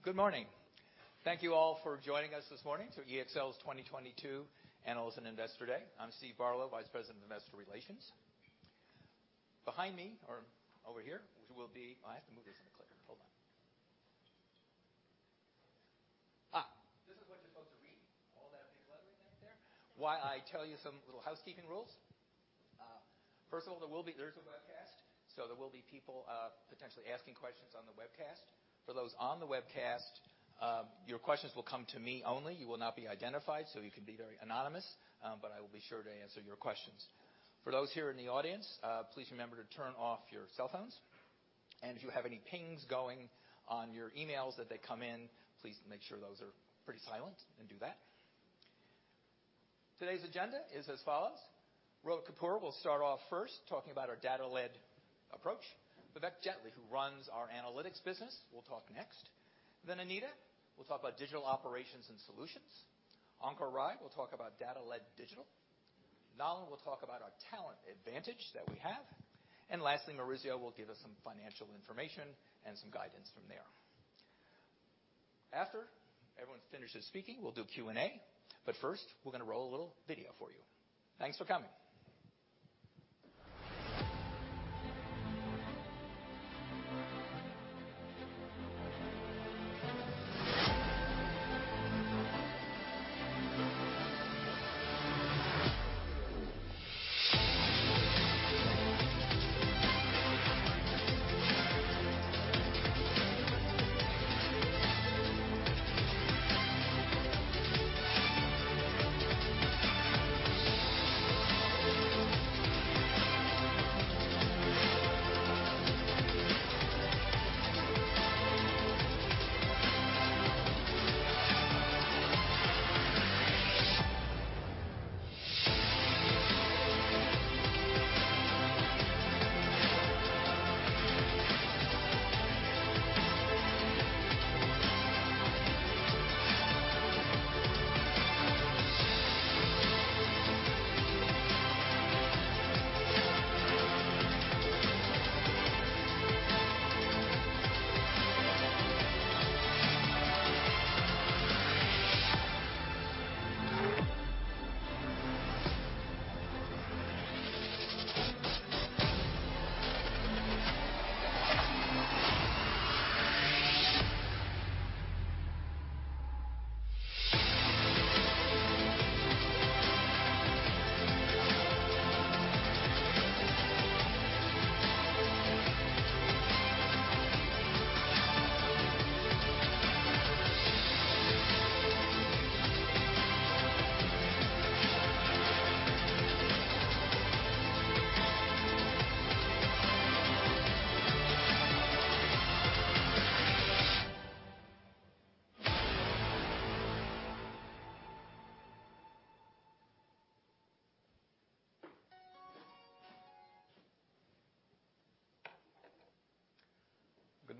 Good morning. Thank you all for joining us this morning to EXL's 2022 Analyst and Investor Day. I'm Steven Barlow, Vice President of Investor Relations. This is what you're supposed to read, all that big lettering down there, while I tell you some little housekeeping rules. First of all, there is a webcast, so there will be people potentially asking questions on the webcast. For those on the webcast, your questions will come to me only. You will not be identified, so you can be very anonymous, but I will be sure to answer your questions. For those here in the audience, please remember to turn off your cell phones. If you have any pings going on your emails that they come in, please make sure those are pretty silent and do that. Today's agenda is as follows. Rohit Kapoor will start off first talking about our data-led approach. Vivek Jetley, who runs our analytics business, will talk next. Then Anita will talk Digital Operations and Solutions. Ankor Rai will talk about data-led digital. Nalin will talk about our talent advantage that we have. Lastly, Maurizio will give us some financial information and some guidance from there. After everyone's finished speaking, we'll do Q&A, but first we're gonna roll a little video for you. Thanks for coming.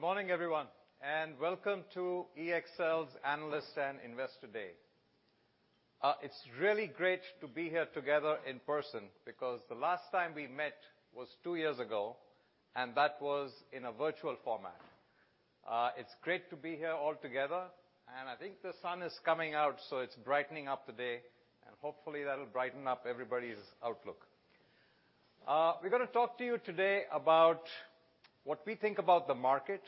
Good morning, everyone, and welcome to EXL's Analyst and Investor Day. It's really great to be here together in person because the last time we met was two years ago, and that was in a virtual format. It's great to be here all together, and I think the sun is coming out, so it's brightening up the day, and hopefully that'll brighten up everybody's outlook. We're gonna talk to you today about what we think about the market,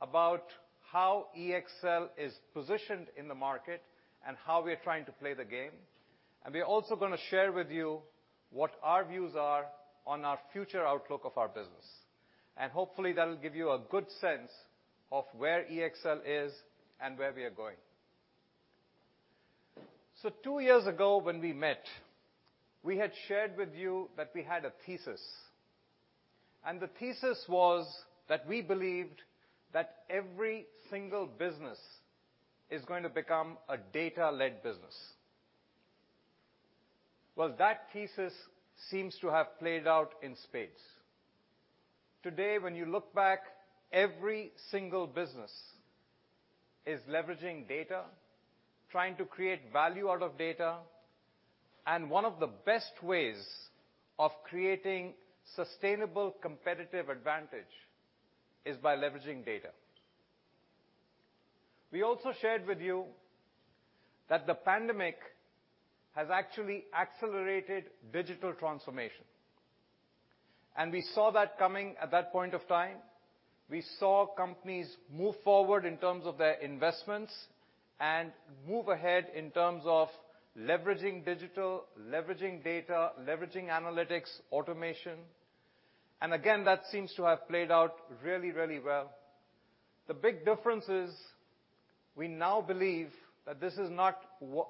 about how EXL is positioned in the market, and how we are trying to play the game. We are also gonna share with you what our views are on our future outlook of our business. Hopefully that'll give you a good sense of where EXL is and where we are going. Two years ago, when we met, we had shared with you that we had a thesis, and the thesis was that we believed that every single business is going to become a data-led business. Well, that thesis seems to have played out in spades. Today, when you look back, every single business is leveraging data, trying to create value out of data, and one of the best ways of creating sustainable competitive advantage is by leveraging data. We also shared with you that the pandemic has actually accelerated digital transformation. We saw that coming at that point of time. We saw companies move forward in terms of their investments and move ahead in terms of leveraging digital, leveraging data, leveraging analytics, automation. Again, that seems to have played out really, really well. The big difference is, we now believe that this is not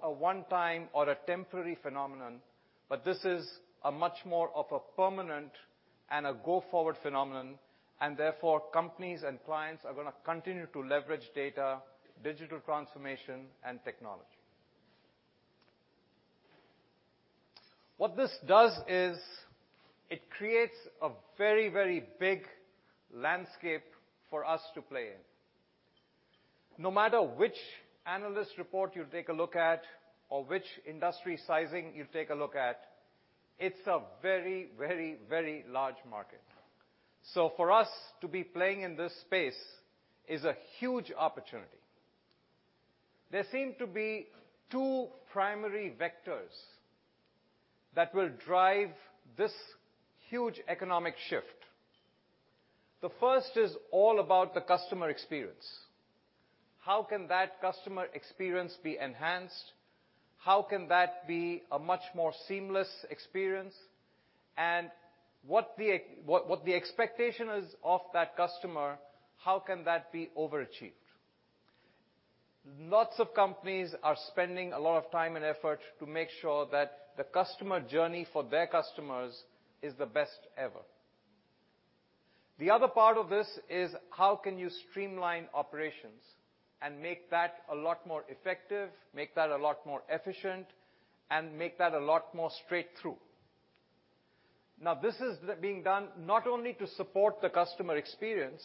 a one-time or a temporary phenomenon, but this is a much more of a permanent and a go-forward phenomenon. Therefore, companies and clients are gonna continue to leverage data, digital transformation, and technology. What this does is it creates a very, very big landscape for us to play in. No matter which analyst report you take a look at or which industry sizing you take a look at, it's a very, very, very large market. For us to be playing in this space is a huge opportunity. There seem to be two primary vectors that will drive this huge economic shift. The first is all about the customer experience. How can that customer experience be enhanced? How can that be a much more seamless experience? And what the expectation is of that customer, how can that be overachieved? Lots of companies are spending a lot of time and effort to make sure that the customer journey for their customers is the best ever. The other part of this is how can you streamline operations and make that a lot more effective, make that a lot more efficient, and make that a lot more straight-through. Now, this is being done not only to support the customer experience,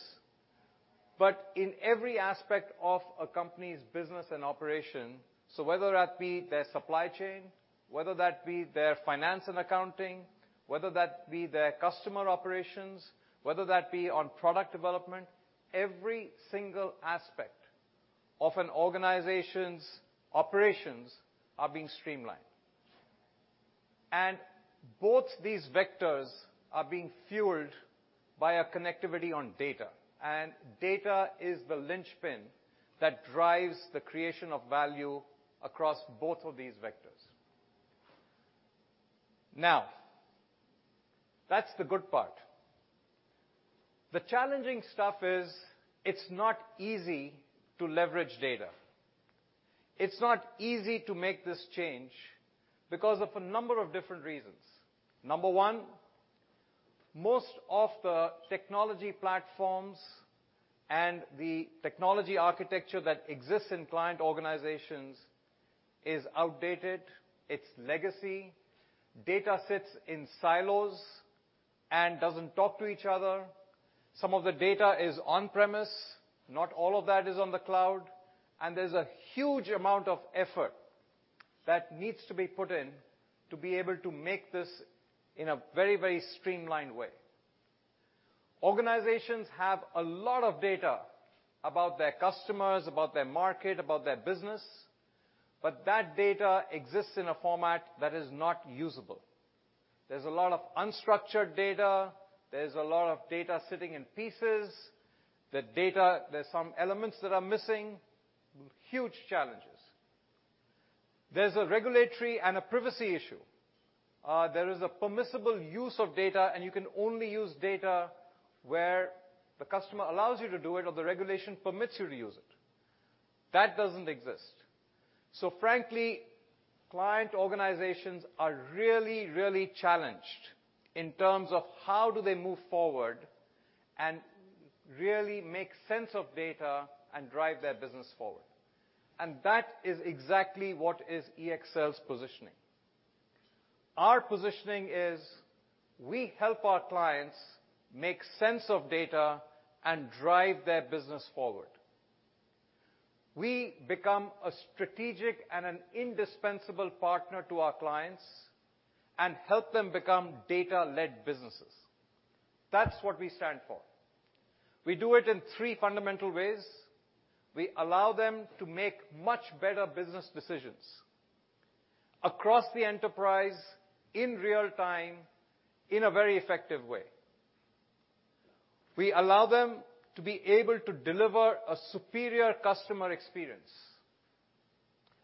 but in every aspect of a company's business and operation. Whether that be their supply chain, whether that be their Finance and Accounting, whether that be their customer operations, whether that be on product development, every single aspect of an organization's operations are being streamlined. Both these vectors are being fueled by a connectivity on data. Data is the linchpin that drives the creation of value across both of these vectors. Now, that's the good part. The challenging stuff is it's not easy to leverage data. It's not easy to make this change because of a number of different reasons. Number one, most of the technology platforms and the technology architecture that exists in client organizations is outdated, it's legacy. Data sits in silos and doesn't talk to each other. Some of the data is on-premise. Not all of that is on the cloud. There's a huge amount of effort that needs to be put in to be able to make this in a very, very streamlined way. Organizations have a lot of data about their customers, about their market, about their business, but that data exists in a format that is not usable. There's a lot of unstructured data. There's a lot of data sitting in pieces. There's some elements that are missing. Huge challenges. There's a regulatory and a privacy issue. There is a permissible use of data, and you can only use data where the customer allows you to do it or the regulation permits you to use it. That doesn't exist. Frankly, client organizations are really, really challenged in terms of how do they move forward and really make sense of data and drive their business forward. That is exactly what is EXL's positioning. Our positioning is we help our clients make sense of data and drive their business forward. We become a strategic and an indispensable partner to our clients and help them become data-led businesses. That's what we stand for. We do it in three fundamental ways. We allow them to make much better business decisions across the enterprise in real-time, in a very effective way. We allow them to be able to deliver a superior customer experience,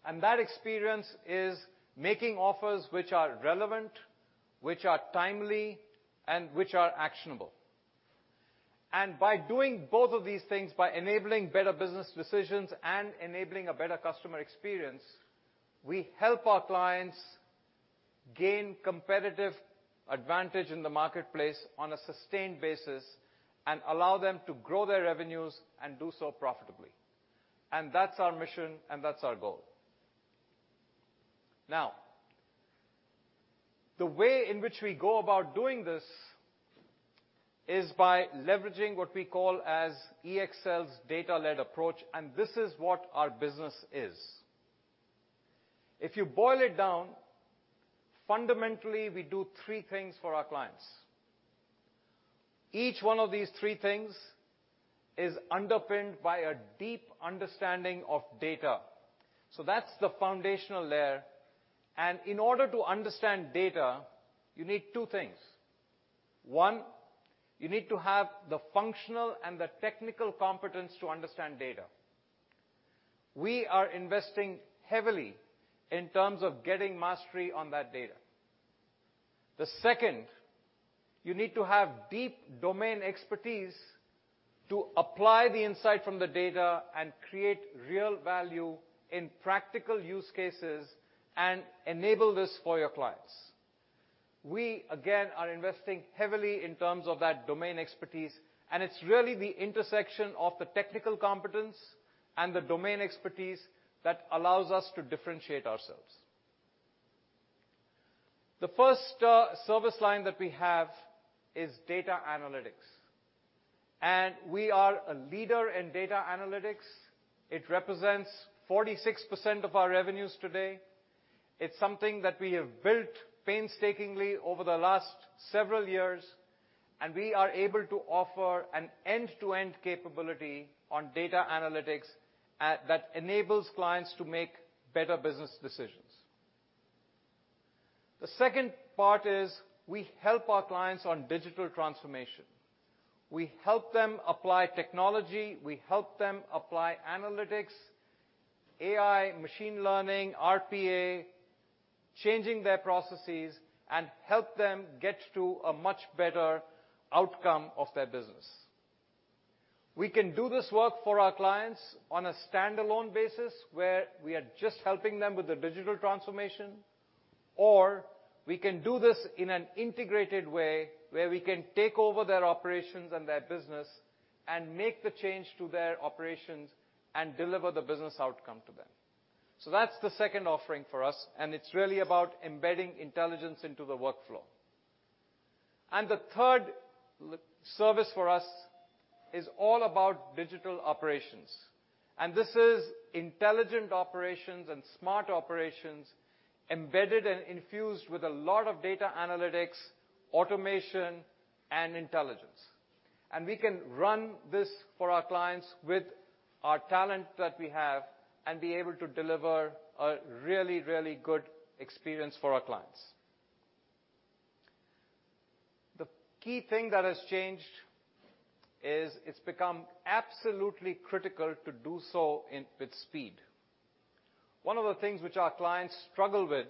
and that experience is making offers which are relevant, which are timely, and which are actionable. By doing both of these things, by enabling better business decisions and enabling a better customer experience, we help our clients gain competitive advantage in the marketplace on a sustained basis and allow them to grow their revenues and do so profitably. That's our mission and that's our goal. Now, the way in which we go about doing this is by leveraging what we call as EXL's data-led approach, and this is what our business is. If you boil it down, fundamentally, we do three things for our clients. Each one of these three things is underpinned by a deep understanding of data. That's the foundational layer. In order to understand data, you need two things. One, you need to have the functional and the technical competence to understand data. We are investing heavily in terms of getting mastery on that data. The second, you need to have deep domain expertise to apply the insight from the data and create real value in practical use cases and enable this for your clients. We, again, are investing heavily in terms of that domain expertise, and it's really the intersection of the technical competence and the domain expertise that allows us to differentiate ourselves. The first, service line that we have is Data Analytics. We are a Leader in Data Analytics. It represents 46% of our revenues today. It's something that we have built painstakingly over the last several years, and we are able to offer an end-to-end capability on Data Analytics that enables clients to make better business decisions. The second part is we help our clients on digital transformation. We help them apply technology, we help them apply analytics, AI, machine learning, RPA, changing their processes, and help them get to a much better outcome of their business. We can do this work for our clients on a standalone basis, where we are just helping them with the digital transformation, or we can do this in an integrated way, where we can take over their operations and their business and make the change to their operations and deliver the business outcome to them. That's the second offering for us, and it's really about embedding intelligence into the workflow. The third service for us is all about Digital Operations. This is intelligent operations and smart operations embedded and infused with a lot of data analytics, automation, and intelligence. We can run this for our clients with our talent that we have and be able to deliver a really, really good experience for our clients. The key thing that has changed is it's become absolutely critical to do so with speed. One of the things which our clients struggle with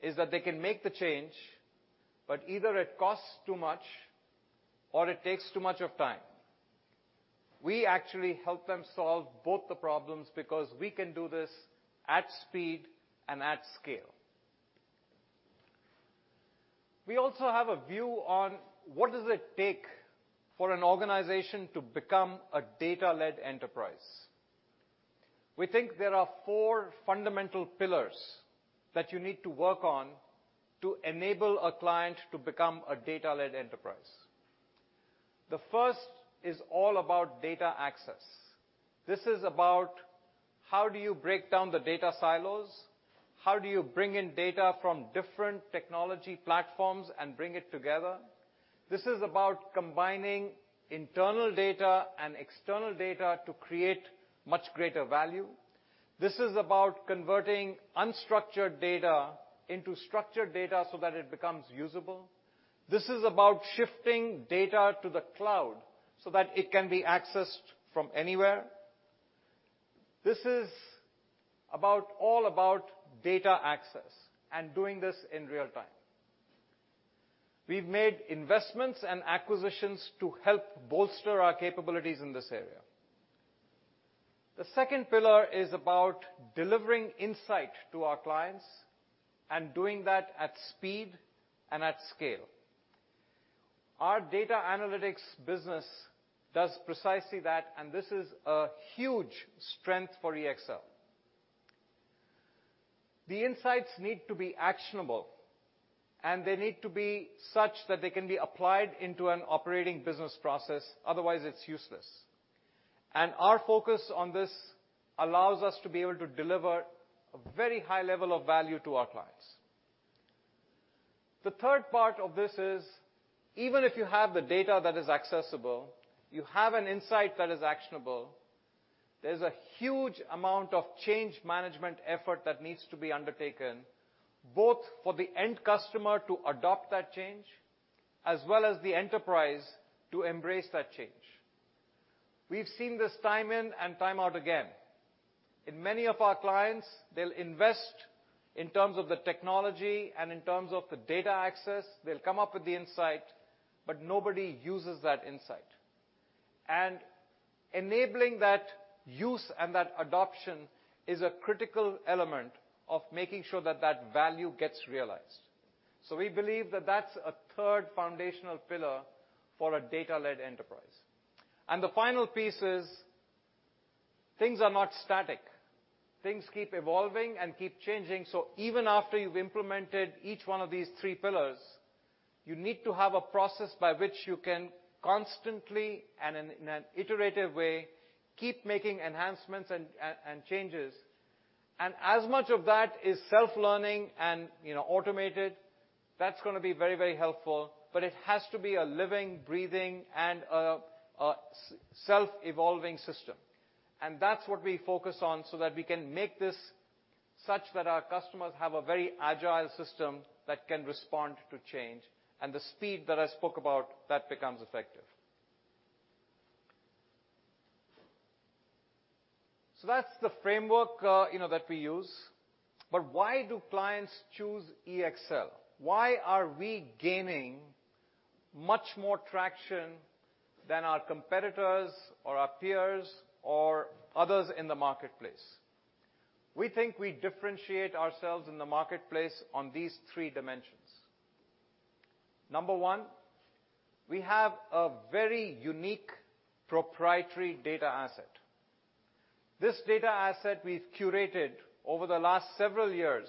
is that they can make the change, but either it costs too much or it takes too much of time. We actually help them solve both the problems because we can do this at speed and at scale. We also have a view on what does it take for an organization to become a data-led enterprise. We think there are four fundamental pillars that you need to work on to enable a client to become a data-led enterprise. The first is all about Data access. This is about how do you break down the data silos? How do you bring in data from different technology platforms and bring it together? This is about combining internal data and external data to create much greater value. This is about converting unstructured data into structured data so that it becomes usable. This is about shifting data to the cloud so that it can be accessed from anywhere. This is all about Data access and doing this in real-time. We've made investments and acquisitions to help bolster our capabilities in this area. The second pillar is about delivering insight to our clients and doing that at speed and at scale. Our Data analytics business does precisely that, and this is a huge strength for EXL. The insights need to be actionable, and they need to be such that they can be applied into an operating business process, otherwise it's useless. Our focus on this allows us to be able to deliver a very high level of value to our clients. The third part of this is, even if you have the data that is accessible, you have an insight that is actionable, there's a huge amount of change management effort that needs to be undertaken, both for the end customer to adopt that change as well as the enterprise to embrace that change. We've seen this time in and time out again. In many of our clients, they'll invest in terms of the technology and in terms of the Data Access. They'll come up with the insight, but nobody uses that insight. Enabling that use and that adoption is a critical element of making sure that that value gets realized. We believe that that's a third foundational pillar for a data-led enterprise The final piece is things are not static. Things keep evolving and keep changing. Even after you've implemented each one of these three pillars, you need to have a process by which you can constantly, and in an iterative way, keep making enhancements and changes. As much of that is self-learning and, you know, automated, that's gonna be very, very helpful, but it has to be a living, breathing, and a self-evolving system. That's what we focus on so that we can make this such that our customers have a very agile system that can respond to change, and the speed that I spoke about, that becomes effective. That's the framework, you know, that we use. Why do clients choose EXL? Why are we gaining much more traction than our competitors or our peers or others in the marketplace? We think we differentiate ourselves in the marketplace on these three dimensions. Number one, we have a very unique proprietary data asset. This data asset we've curated over the last several years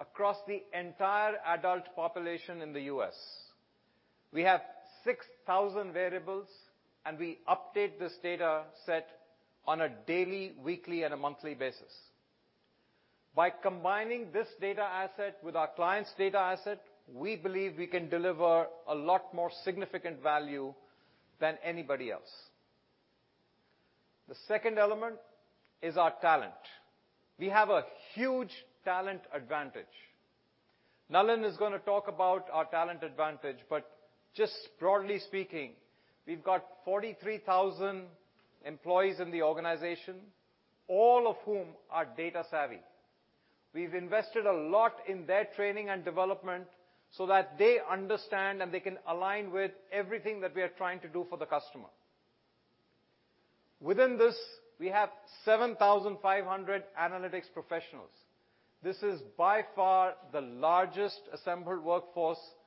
across the entire adult population in the U.S. We have 6,000 variables, and we update this data set on a daily, weekly, and a monthly basis. By combining this data asset with our client's data asset, we believe we can deliver a lot more significant value than anybody else. The second element is our talent. We have a huge talent advantage. Nalin is gonna talk about our talent advantage, but just broadly speaking, we've got 43,000 employees in the organization, all of whom are data savvy. We've invested a lot in their training and development so that they understand, and they can align with everything that we are trying to do for the customer. Within this, we have 7,500 analytics professionals. This is by far the largest assembled workforce on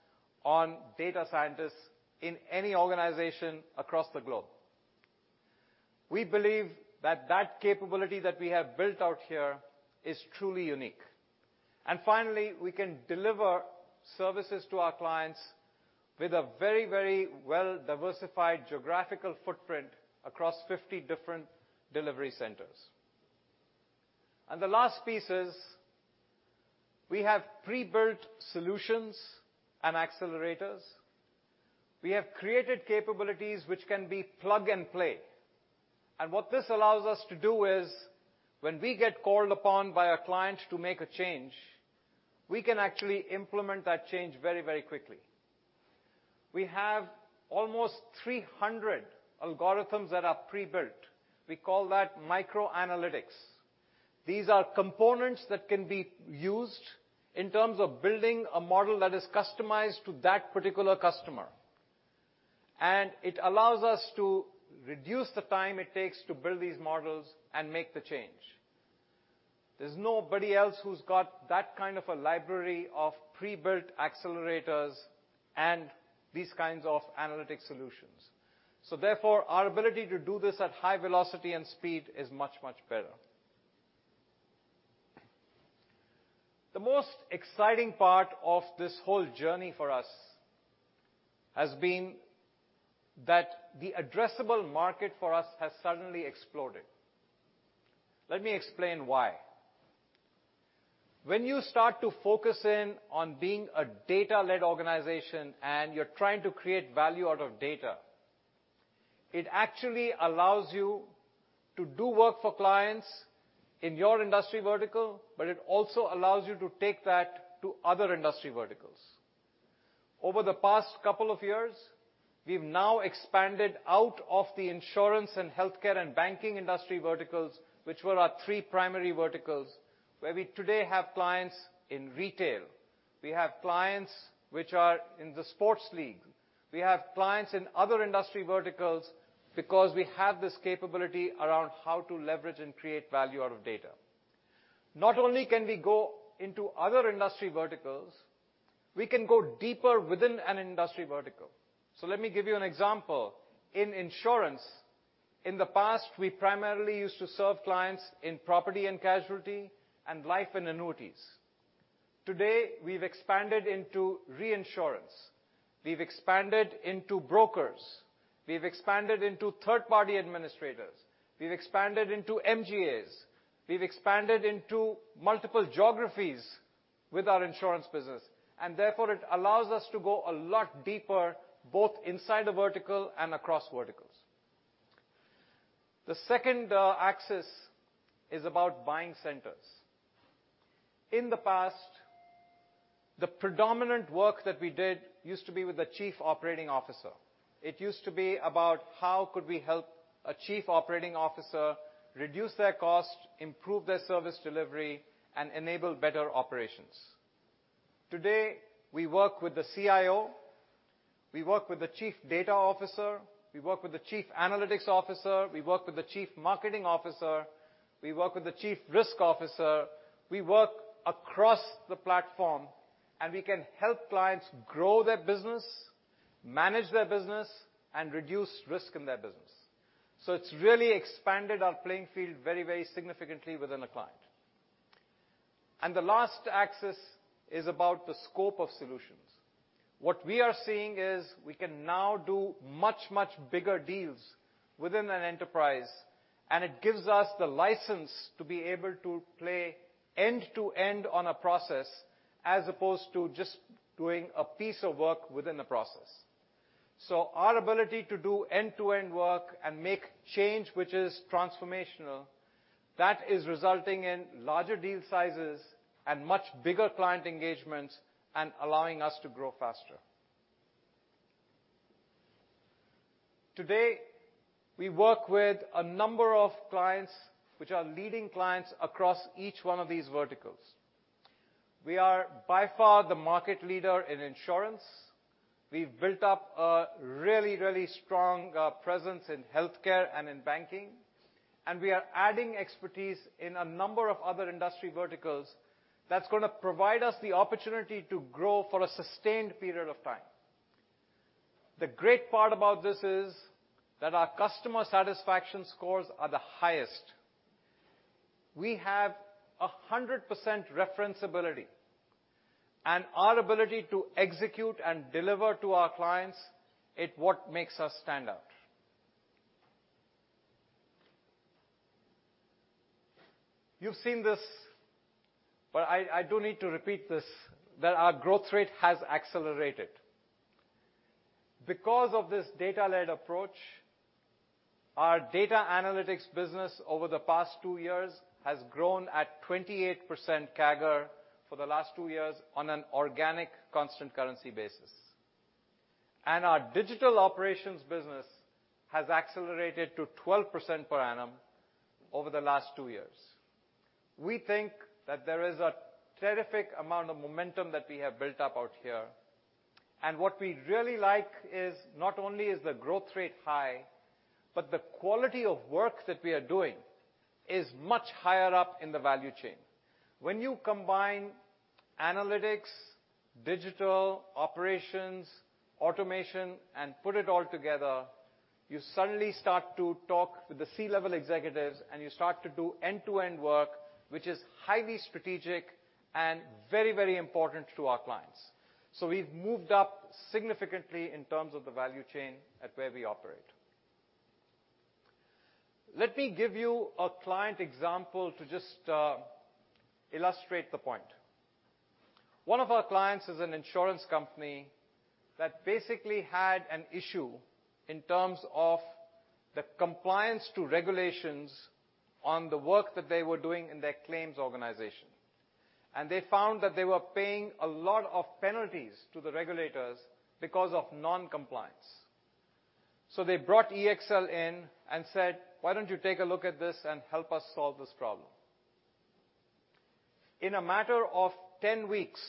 data scientists in any organization across the globe. We believe that that capability that we have built out here is truly unique. Finally, we can deliver services to our clients with a very, very well-diversified geographical footprint across 50 different delivery centers. The last piece is we have pre-built solutions and accelerators. We have created capabilities which can be plug-and-play. What this allows us to do is when we get called upon by a client to make a change, we can actually implement that change very, very quickly. We have almost 300 algorithms that are pre-built. We call that micro-analytics. These are components that can be used in terms of building a model that is customized to that particular customer. It allows us to reduce the time it takes to build these models and make the change. There's nobody else who's got that kind of a library of pre-built accelerators and these kinds of analytics solutions. Therefore, our ability to do this at high velocity and speed is much, much better. The most exciting part of this whole journey for us has been that the addressable market for us has suddenly exploded. Let me explain why. When you start to focus in on being a data-led organization, and you're trying to create value out of data, it actually allows you to do work for clients in your industry vertical, but it also allows you to take that to other industry verticals. Over the past couple of years, we've now expanded out of the Insurance and Healthcare and banking industry verticals, which were our three primary verticals, where we today have clients in retail. We have clients which are in the sports league. We have clients in other industry verticals because we have this capability around how to leverage and create value out of data. Not only can we go into other industry verticals, we can go deeper within an industry vertical. Let me give you an example. In Insurance, in the past, we primarily used to serve clients in Property and Casualty and Life and Annuities. Today, we've expanded into reInsurance. We've expanded into brokers. We've expanded into Third-Party Administrators. We've expanded into MGAs. We've expanded into multiple geographies with our Insurance business, and therefore, it allows us to go a lot deeper, both inside a vertical and across verticals. The second axis is about buying centers. In the past, the predominant work that we did used to be with the Chief Operating Officer. It used to be about how could we help a Chief Operating Officer reduce their cost, improve their service delivery, and enable better operations. Today, we work with the CIO, we work with the Chief Data Officer, we work with the Chief Analytics Officer, we work with the Chief Marketing Officer, we work with the Chief Risk Officer. We work across the platform, and we can help clients grow their business, manage their business, and reduce risk in their business. It's really expanded our playing field very, very significantly within a client. The last axis is about the scope of solutions. What we are seeing is we can now do much, much bigger deals within an enterprise, and it gives us the license to be able to play end-to-end on a process as opposed to just doing a piece of work within a process. Our ability to do end-to-end work and make change which is transformational, that is resulting in larger deal sizes and much bigger client engagements and allowing us to grow faster. Today, we work with a number of clients which are leading clients across each one of these verticals. We are by far the market Leader in Insurance . We've built up a really, really strong presence in Healthcare and in banking. We are adding expertise in a number of other industry verticals that's gonna provide us the opportunity to grow for a sustained period of time. The great part about this is that our customer satisfaction scores are the highest. We have 100% referenceability. Our ability to execute and deliver to our clients, is what makes us stand out. You've seen this, but I do need to repeat this, that our growth rate has accelerated. Because of this data-led approach, our Data Analytics business over the past two years has grown at 28% CAGR for the last two years on an organic constant currency basis. Our Digital Operations business has accelerated to 12% per annum over the last two years. We think that there is a terrific amount of momentum that we have built up out here, and what we really like is not only is the growth rate high, but the quality of work that we are doing is much higher up in the value chain. When you combine analytics, Digital Operations, automation, and put it all together, you suddenly start to talk with the C-level executives, and you start to do end-to-end work, which is highly strategic and very, very important to our clients. We've moved up significantly in terms of the value chain at where we operate. Let me give you a client example to just illustrate the point. One of our clients is an Insurance company that basically had an issue in terms of the compliance to regulations on the work that they were doing in their claims organization. They found that they were paying a lot of penalties to the regulators because of non-compliance. They brought EXL in and said, "Why don't you take a look at this and help us solve this problem?" In a matter of 10 weeks,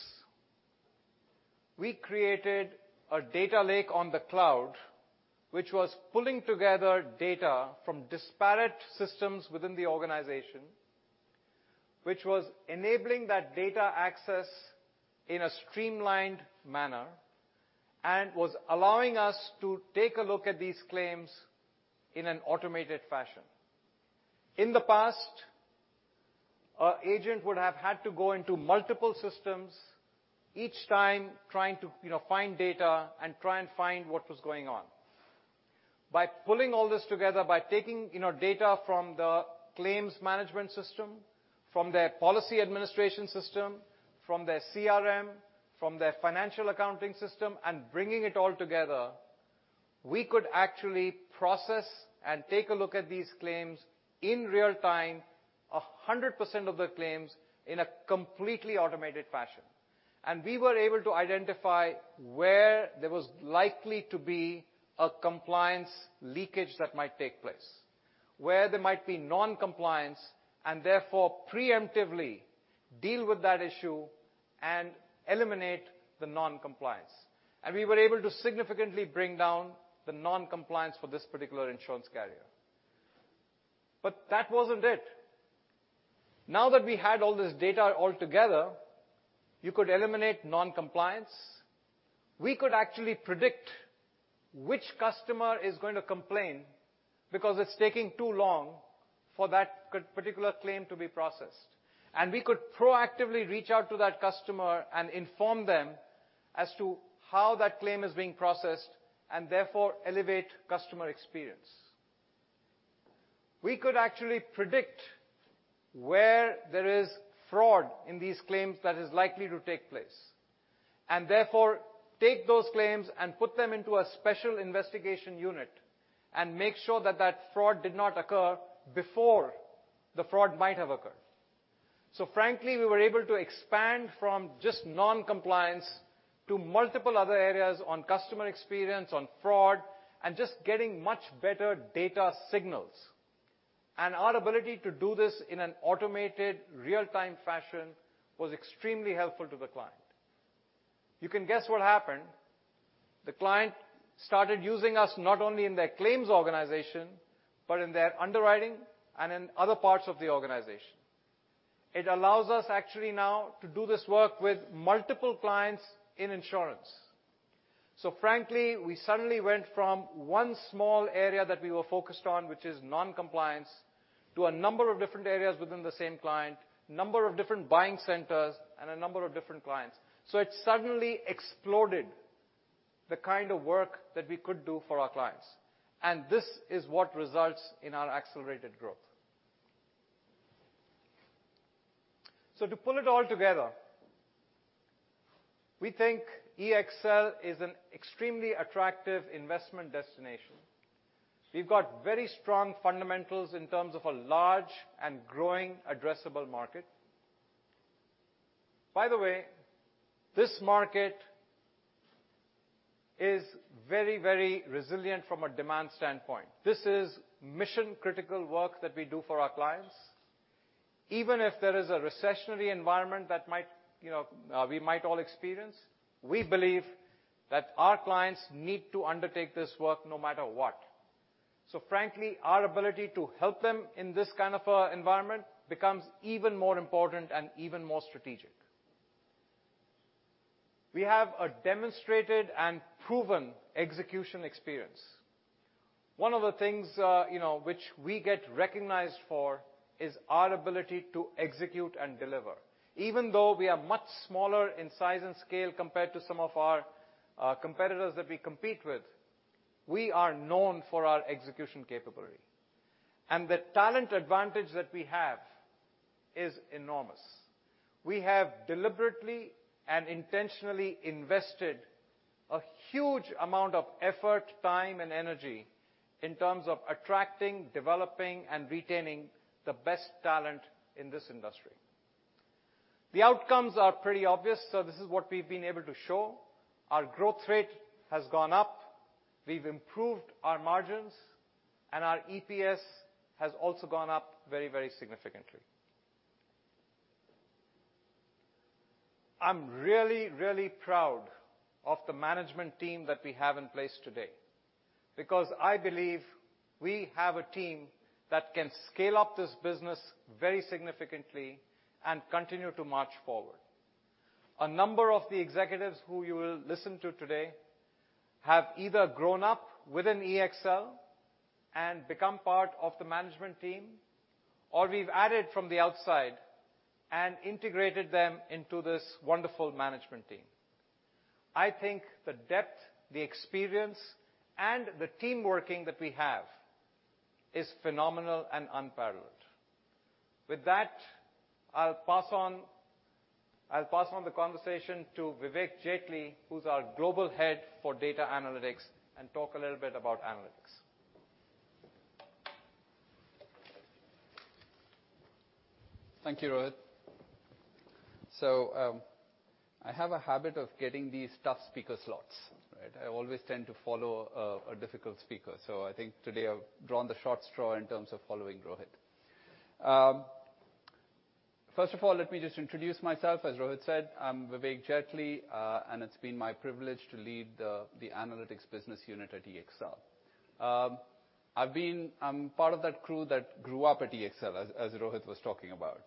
we created a data lake on the cloud, which was pulling together data from disparate systems within the organization, which was enabling that data access in a streamlined manner, and was allowing us to take a look at these claims in an automated fashion. In the past, our agent would have had to go into multiple systems, each time trying to, you know, find data and try and find what was going on. By pulling all this together, by taking, you know, data from the claims management system, from their policy administration system, from their CRM, from their financial accounting system and bringing it all together, we could actually process and take a look at these claims in real-time, 100% of the claims in a completely automated fashion. We were able to identify where there was likely to be a compliance leakage that might take place, where there might be non-compliance, and therefore preemptively deal with that issue and eliminate the non-compliance. We were able to significantly bring down the non-compliance for this particular Insurance carrier. That wasn't it. Now that we had all this data all together, you could eliminate non-compliance. We could actually predict which customer is going to complain because it's taking too long for that particular claim to be processed. We could proactively reach out to that customer and inform them as to how that claim is being processed, and therefore elevate customer experience. We could actually predict where there is fraud in these claims that is likely to take place, and therefore take those claims and put them into a Special Investigation Unit and make sure that that fraud did not occur before the fraud might have occurred. Frankly, we were able to expand from just non-compliance to multiple other areas on customer experience, on fraud, and just getting much better data signals. Our ability to do this in an automated real-time fashion was extremely helpful to the client. You can guess what happened. The client started using us not only in their claims organization, but in their underwriting and in other parts of the organization. It allows us actually now to do this work with multiple clients in Insurance . Frankly, we suddenly went from one small area that we were focused on, which is non-compliance, to a number of different areas within the same client, number of different buying centers and a number of different clients. It suddenly exploded the kind of work that we could do for our clients. This is what results in our accelerated growth. To pull it all together, we think EXL is an extremely attractive investment destination. We've got very strong fundamentals in terms of a large and growing addressable market. By the way, this market is very, very resilient from a demand standpoint. This is mission-critical work that we do for our clients. Even if there is a recessionary environment that might, you know, we might all experience, we believe that our clients need to undertake this work no matter what. Frankly, our ability to help them in this kind of a environment becomes even more important and even more strategic. We have a demonstrated and proven execution experience. One of the things, you know, which we get recognized for is our ability to execute and deliver. Even though we are much smaller in size and scale compared to some of our, competitors that we compete with, we are known for our execution capability. The talent advantage that we have is enormous. We have deliberately and intentionally invested a huge amount of effort, time, and energy in terms of attracting, developing, and retaining the best talent in this industry. The outcomes are pretty obvious. This is what we've been able to show. Our growth rate has gone up. We've improved our margins, and our EPS has also gone up very, very significantly. I'm really, really proud of the management team that we have in place today, because I believe we have a team that can scale up this business very significantly and continue to march forward. A number of the executives who you will listen to today have either grown up within EXL and become part of the management team, or we've added from the outside and integrated them into this wonderful management team. I think the depth, the experience, and the teamwork that we have is phenomenal and unparalleled. With that, I'll pass on the conversation to Vivek Jetley, who's our Global Head for Data Analytics, and talk a little bit about analytics. Thank you, Rohit. I have a habit of getting these tough speaker slots, right? I always tend to follow a difficult speaker. I think today I've drawn the short straw in terms of following Rohit. First of all, let me just introduce myself. As Rohit said, I'm Vivek Jetley, and it's been my privilege to lead the Analytics business unit at EXL. I'm part of that crew that grew up at EXL, as Rohit was talking about.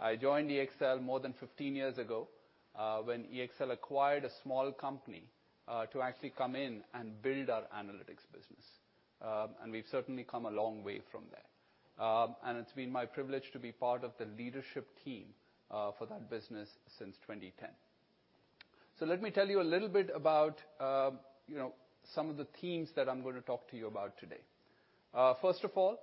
I joined EXL more than 15 years ago, when EXL acquired a small company to actually come in and build our analytics business. We've certainly come a long way from there. It's been my privilege to be part of the Leader ship team for that business since 2010. Let me tell you a little bit about, you know, some of the themes that I'm gonna talk to you about today. First of all,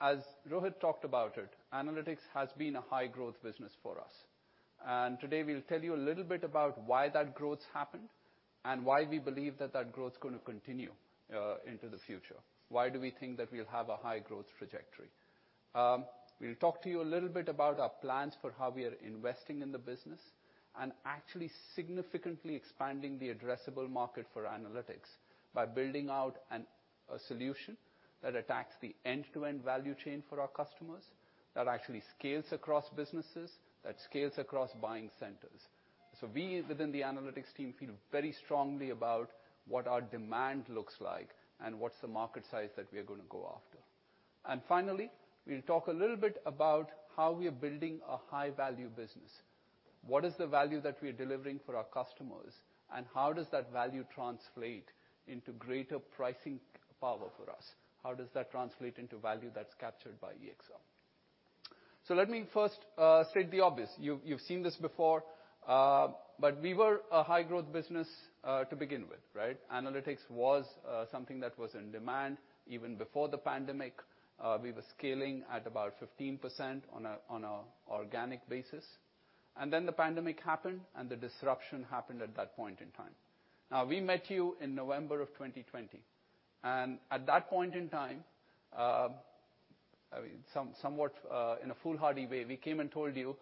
as Rohit talked about it, analytics has been a high growth business for us. Today we'll tell you a little bit about why that growth happened and why we believe that that growth is gonna continue into the future. Why do we think that we'll have a high growth trajectory? We'll talk to you a little bit about our plans for how we are investing in the business and actually significantly expanding the addressable market for analytics by building out a solution that attacks the end-to-end value chain for our customers, that actually scales across businesses, that scales across buying centers. We within the analytics team feel very strongly about what our demand looks like and what's the market size that we are gonna go after. Finally, we'll talk a little bit about how we are building a high-value business. What is the value that we are delivering for our customers, and how does that value translate into greater pricing power for us? How does that translate into value that's captured by EXL? Let me first state the obvious. You've seen this before, but we were a high-growth business to begin with, right? Analytics was something that was in demand even before the pandemic. We were scaling at about 15% on a organic basis. Then the pandemic happened, and the disruption happened at that point in time. Now, we met you in November of 2020, and at that point in time, I mean, somewhat in a foolhardy way, we came and told you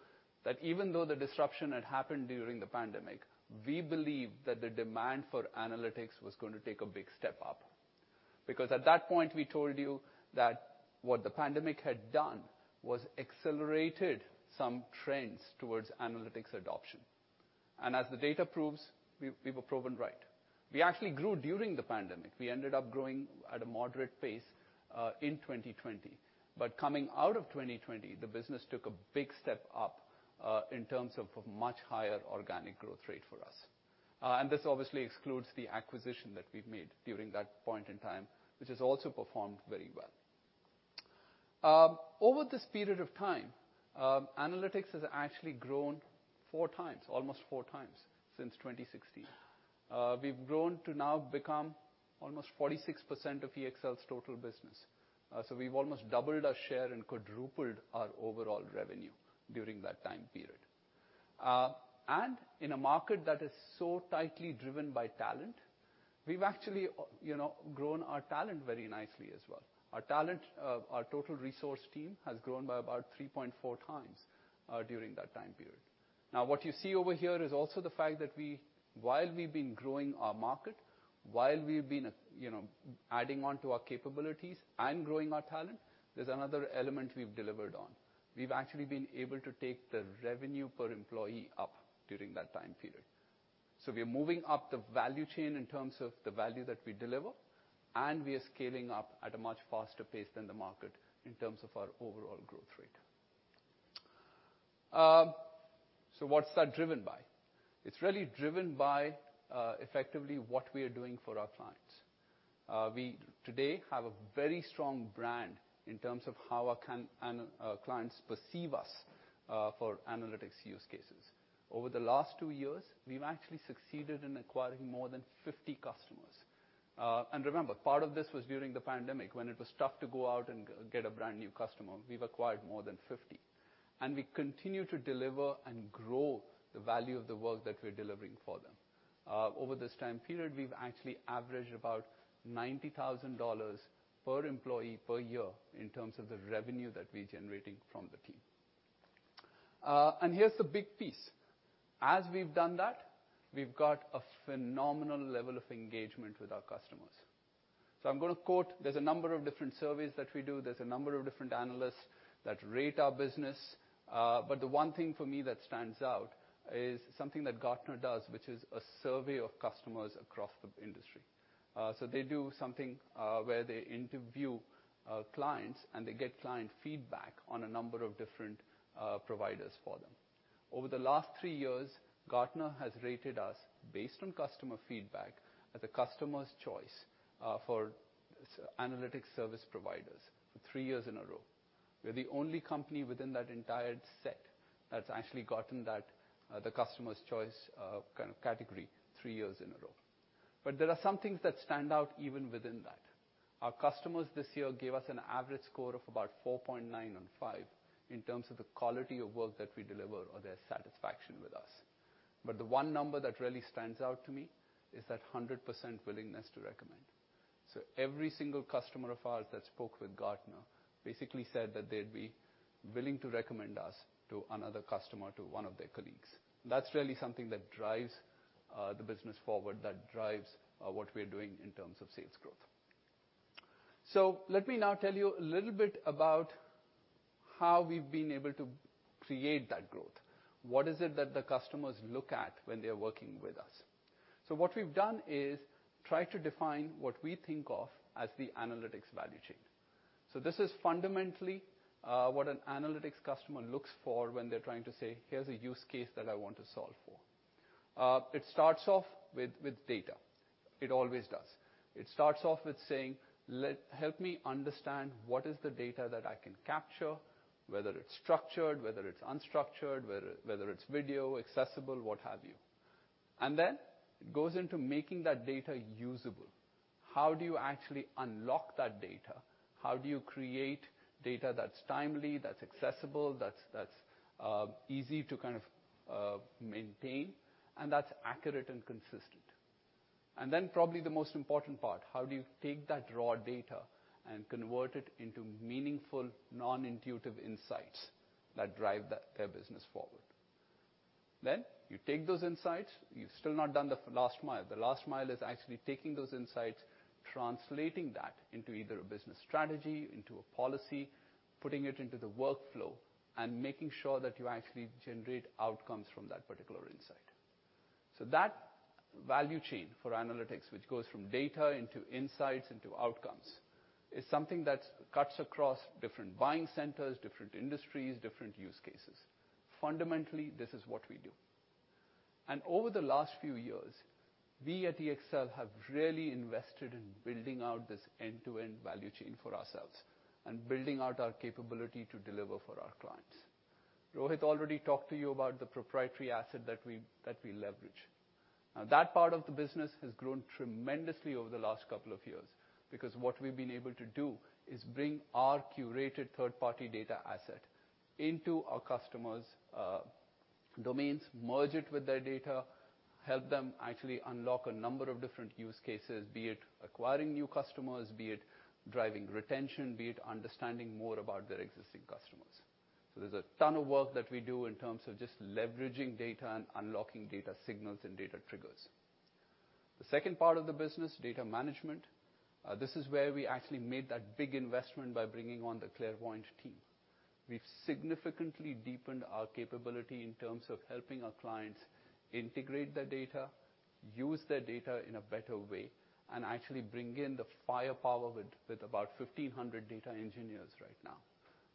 that even though the disruption had happened during the pandemic, we believe that the demand for analytics was gonna take a big step up. Because at that point, we told you that what the pandemic had done was accelerated some trends towards analytics adoption. As the data proves, we were proven right. We actually grew during the pandemic. We ended up growing at a moderate pace in 2020. Coming out of 2020, the business took a big step up in terms of much higher organic growth rate for us. This obviously excludes the acquisition that we've made during that point in time, which has also performed very well. Over this period of time, analytics has actually grown four times, almost four times since 2016. We've grown to now become almost 46% of EXL's total business. So we've almost doubled our share and quadrupled our overall revenue during that time period. In a market that is so tightly driven by talent, we've actually, you know, grown our talent very nicely as well. Our talent, our total resource team has grown by about 3.4 times during that time period. Now, what you see over here is also the fact that while we've been, you know, adding on to our capabilities and growing our talent, there's another element we've delivered on. We've actually been able to take the revenue per employee up during that time period. We are moving up the value chain in terms of the value that we deliver, and we are scaling up at a much faster pace than the market in terms of our overall growth rate. What's that driven by? It's really driven by, effectively what we are doing for our clients. We today have a very strong brand in terms of how our clients perceive us, for analytics use cases. Over the last 2 years, we've actually succeeded in acquiring more than 50 customers. Remember, part of this was during the pandemic when it was tough to go out and get a brand-new customer. We've acquired more than 50, and we continue to deliver and grow the value of the work that we're delivering for them. Over this time period, we've actually averaged about $90,000 per employee per year in terms of the revenue that we're generating from the team. Here's the big piece. As we've done that, we've got a phenomenal level of engagement with our customers. I'm gonna quote. There's a number of different surveys that we do. There's a number of different analysts that rate our business. But the one thing for me that stands out is something that Gartner does, which is a survey of customers across the industry. They do something where they interview clients, and they get client feedback on a number of different providers for them. Over the last three years, Gartner has rated us based on customer feedback as a Customers' Choice for Analytics Service Providers for three years in a row. We're the only company within that entire set that's actually gotten that, the Customers' Choice, kind of category 3 years in a row. There are some things that stand out even within that. Our customers this year gave us an average score of about 4.9 on 5 in terms of the quality of work that we deliver or their satisfaction with us. The one number that really stands out to me is that 100% willingness to recommend. Every single customer of ours that spoke with Gartner basically said that they'd be willing to recommend us to another customer, to one of their colleagues. That's really something that drives, the business forward, that drives, what we are doing in terms of sales growth. Let me now tell you a little bit about how we've been able to create that growth. What is it that the customers look at when they're working with us? What we've done is try to define what we think of as the analytics value chain. This is fundamentally what an analytics customer looks for when they're trying to say, "Here's a use case that I want to solve for." It starts off with data. It always does. It starts off with saying, "Help me understand what is the data that I can capture," whether it's structured, whether it's unstructured, whether it's video, accessible, what have you. It goes into making that data usable. How do you actually unlock that data? How do you create data that's timely, that's accessible, that's easy to kind of maintain, and that's accurate and consistent? Probably the most important part: how do you take that raw data and convert it into meaningful, non-intuitive insights that drive their business forward? You take those insights. You've still not done the last mile. The last mile is actually taking those insights, translating that into either a business strategy, into a policy, putting it into the workflow, and making sure that you actually generate outcomes from that particular insight. That value chain for analytics, which goes from Data into insights into Outcomes, is something that cuts across different buying centers, different industries, different use cases. Fundamentally, this is what we do. Over the last few years, we at EXL have really invested in building out this end-to-end value chain for ourselves and building out our capability to deliver for our clients. Rohit already talked to you about the proprietary asset that we leverage. Now, that part of the business has grown tremendously over the last couple of years because what we've been able to do is bring our curated third-party data asset into our customers' domains, merge it with their data, help them actually unlock a number of different use cases, be it acquiring new customers, be it driving retention, be it understanding more about their existing customers. There's a ton of work that we do in terms of just leveraging data and unlocking data signals and data triggers. The second part of the business, data management, this is where we actually made that big investment by bringing on the Clairvoyant team. We've significantly deepened our capability in terms of helping our clients integrate their data, use their data in a better way, and actually bring in the firepower with about 1,500 data engineers right now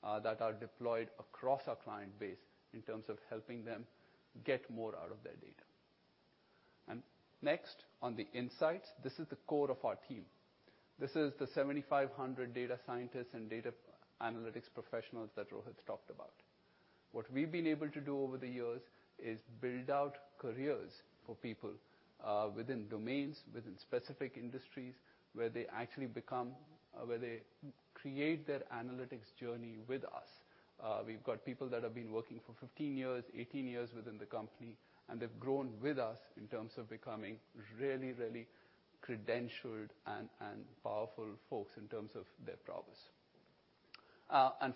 that are deployed across our client base in terms of helping them get more out of their data. Next, on the insights, this is the core of our team. This is the 7,500 data scientists and data analytics professionals that Rohit talked about. What we've been able to do over the years is build out careers for people within domains, within specific industries, where they actually become where they create their analytics journey with us. We've got people that have been working for 15 years, 18 years within the company, and they've grown with us in terms of becoming really, really credentialed and powerful folks in terms of their prowess.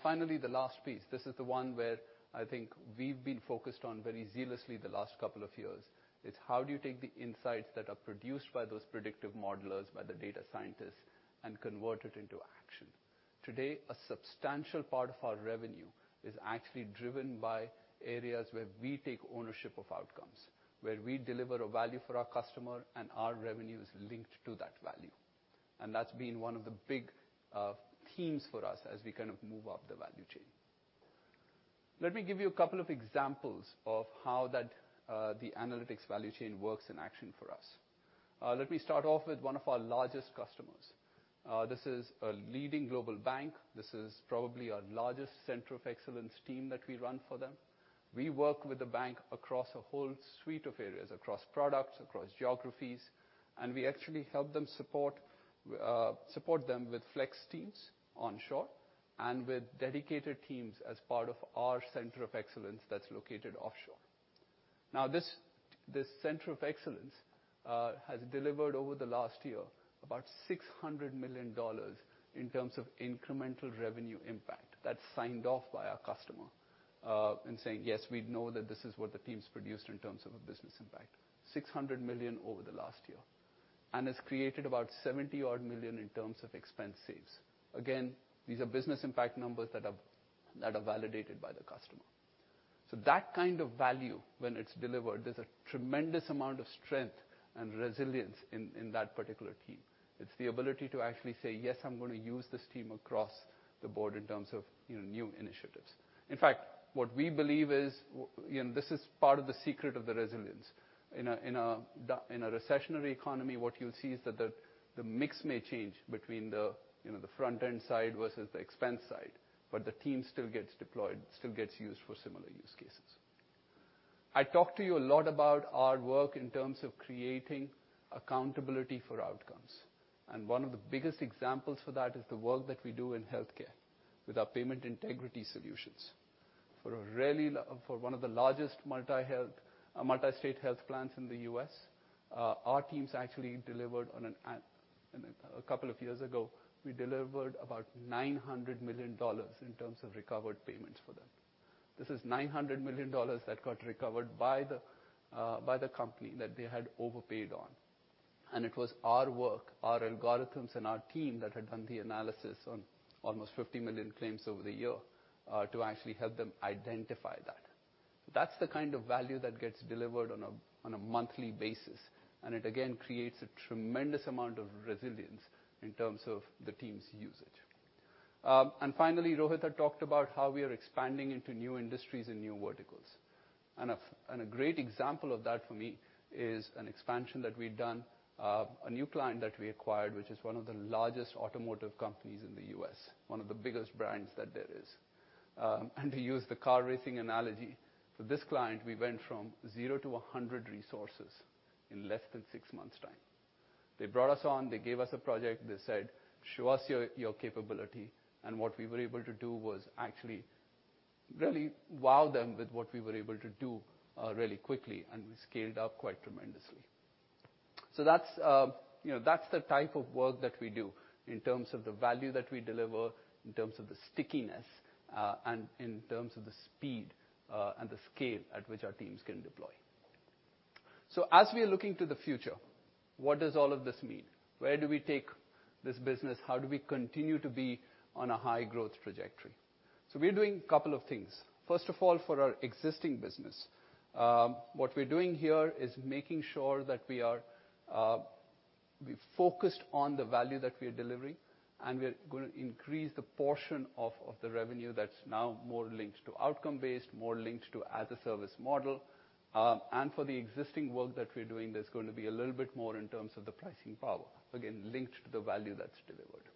Finally, the last piece. This is the one where I think we've been focused on very zealously the last couple of years. It's how do you take the insights that are produced by those predictive modelers, by the data scientists, and convert it into action? Today, a substantial part of our revenue is actually driven by areas where we take ownership of outcomes, where we deliver a value for our customer and our revenue is linked to that value. That's been one of the big themes for us as we kind of move up the value chain. Let me give you a couple of examples of how the analytics value chain works in action for us. Let me start off with one of our largest customers. This is a leading global bank. This is probably our largest Center of Excellence team that we run for them. We work with the bank across a whole suite of areas, across products, across geographies, and we actually help them support them with flex teams on shore and with dedicated teams as part of our Center of Excellence that's located offshore. Now, this Center of Excellence has delivered over the last year about $600 million in terms of incremental revenue impact. That's signed off by our customer and saying, "Yes, we know that this is what the teams produced in terms of a business impact." $600 million over the last year. It's created about 70-odd million in terms of expense saves. Again, these are business impact numbers that are validated by the customer. That kind of value when it's delivered, there's a tremendous amount of strength and resilience in that particular team. It's the ability to actually say, "Yes, I'm gonna use this team across the board in terms of, you know, new initiatives." In fact, what we believe is and this is part of the secret of the resilience. In a recessionary economy, what you'll see is that the mix may change between the, you know, the front end side versus the expense side, but the team still gets deployed, still gets used for similar use cases. I talked to you a lot about our work in terms of creating accountability for outcomes, and one of the biggest examples for that is the work that we do in Healthcare with our Payment Integrity solutions. For one of the largest multi-state health plans in the U.S., our teams actually delivered a couple of years ago, we delivered about $900 million in terms of recovered payments for them. This is $900 million that got recovered by the company that they had overpaid on. It was our work, our algorithms, and our team that had done the analysis on almost 50 million claims over the year to actually help them identify that. That's the kind of value that gets delivered on a monthly basis, and it again creates a tremendous amount of resilience in terms of the team's usage. Finally, Rohit had talked about how we are expanding into new industries and new verticals. A great example of that for me is an expansion that we've done, a new client that we acquired, which is one of the largest automotive companies in the U.S., one of the biggest brands that there is. To use the car racing analogy, for this client, we went from zero to 100 resources in less than 6 months' time. They brought us on, they gave us a project. They said, "Show us your capability." What we were able to do was actually really wow them with what we were able to do really quickly, and we scaled up quite tremendously. That's, you know, that's the type of work that we do in terms of the value that we deliver, in terms of the stickiness, and in terms of the speed and the scale at which our teams can deploy. As we are looking to the future, what does all of this mean? Where do we take this business? How do we continue to be on a high growth trajectory? We're doing a couple of things. First of all, for our existing business, what we're doing here is making sure that we're focused on the value that we are delivering, and we're gonna increase the portion of the revenue that's now more linked to outcome-based, more linked to As-a-Service model. For the existing work that we're doing, there's going to be a little bit more in terms of the pricing power, again, linked to the value that's delivered.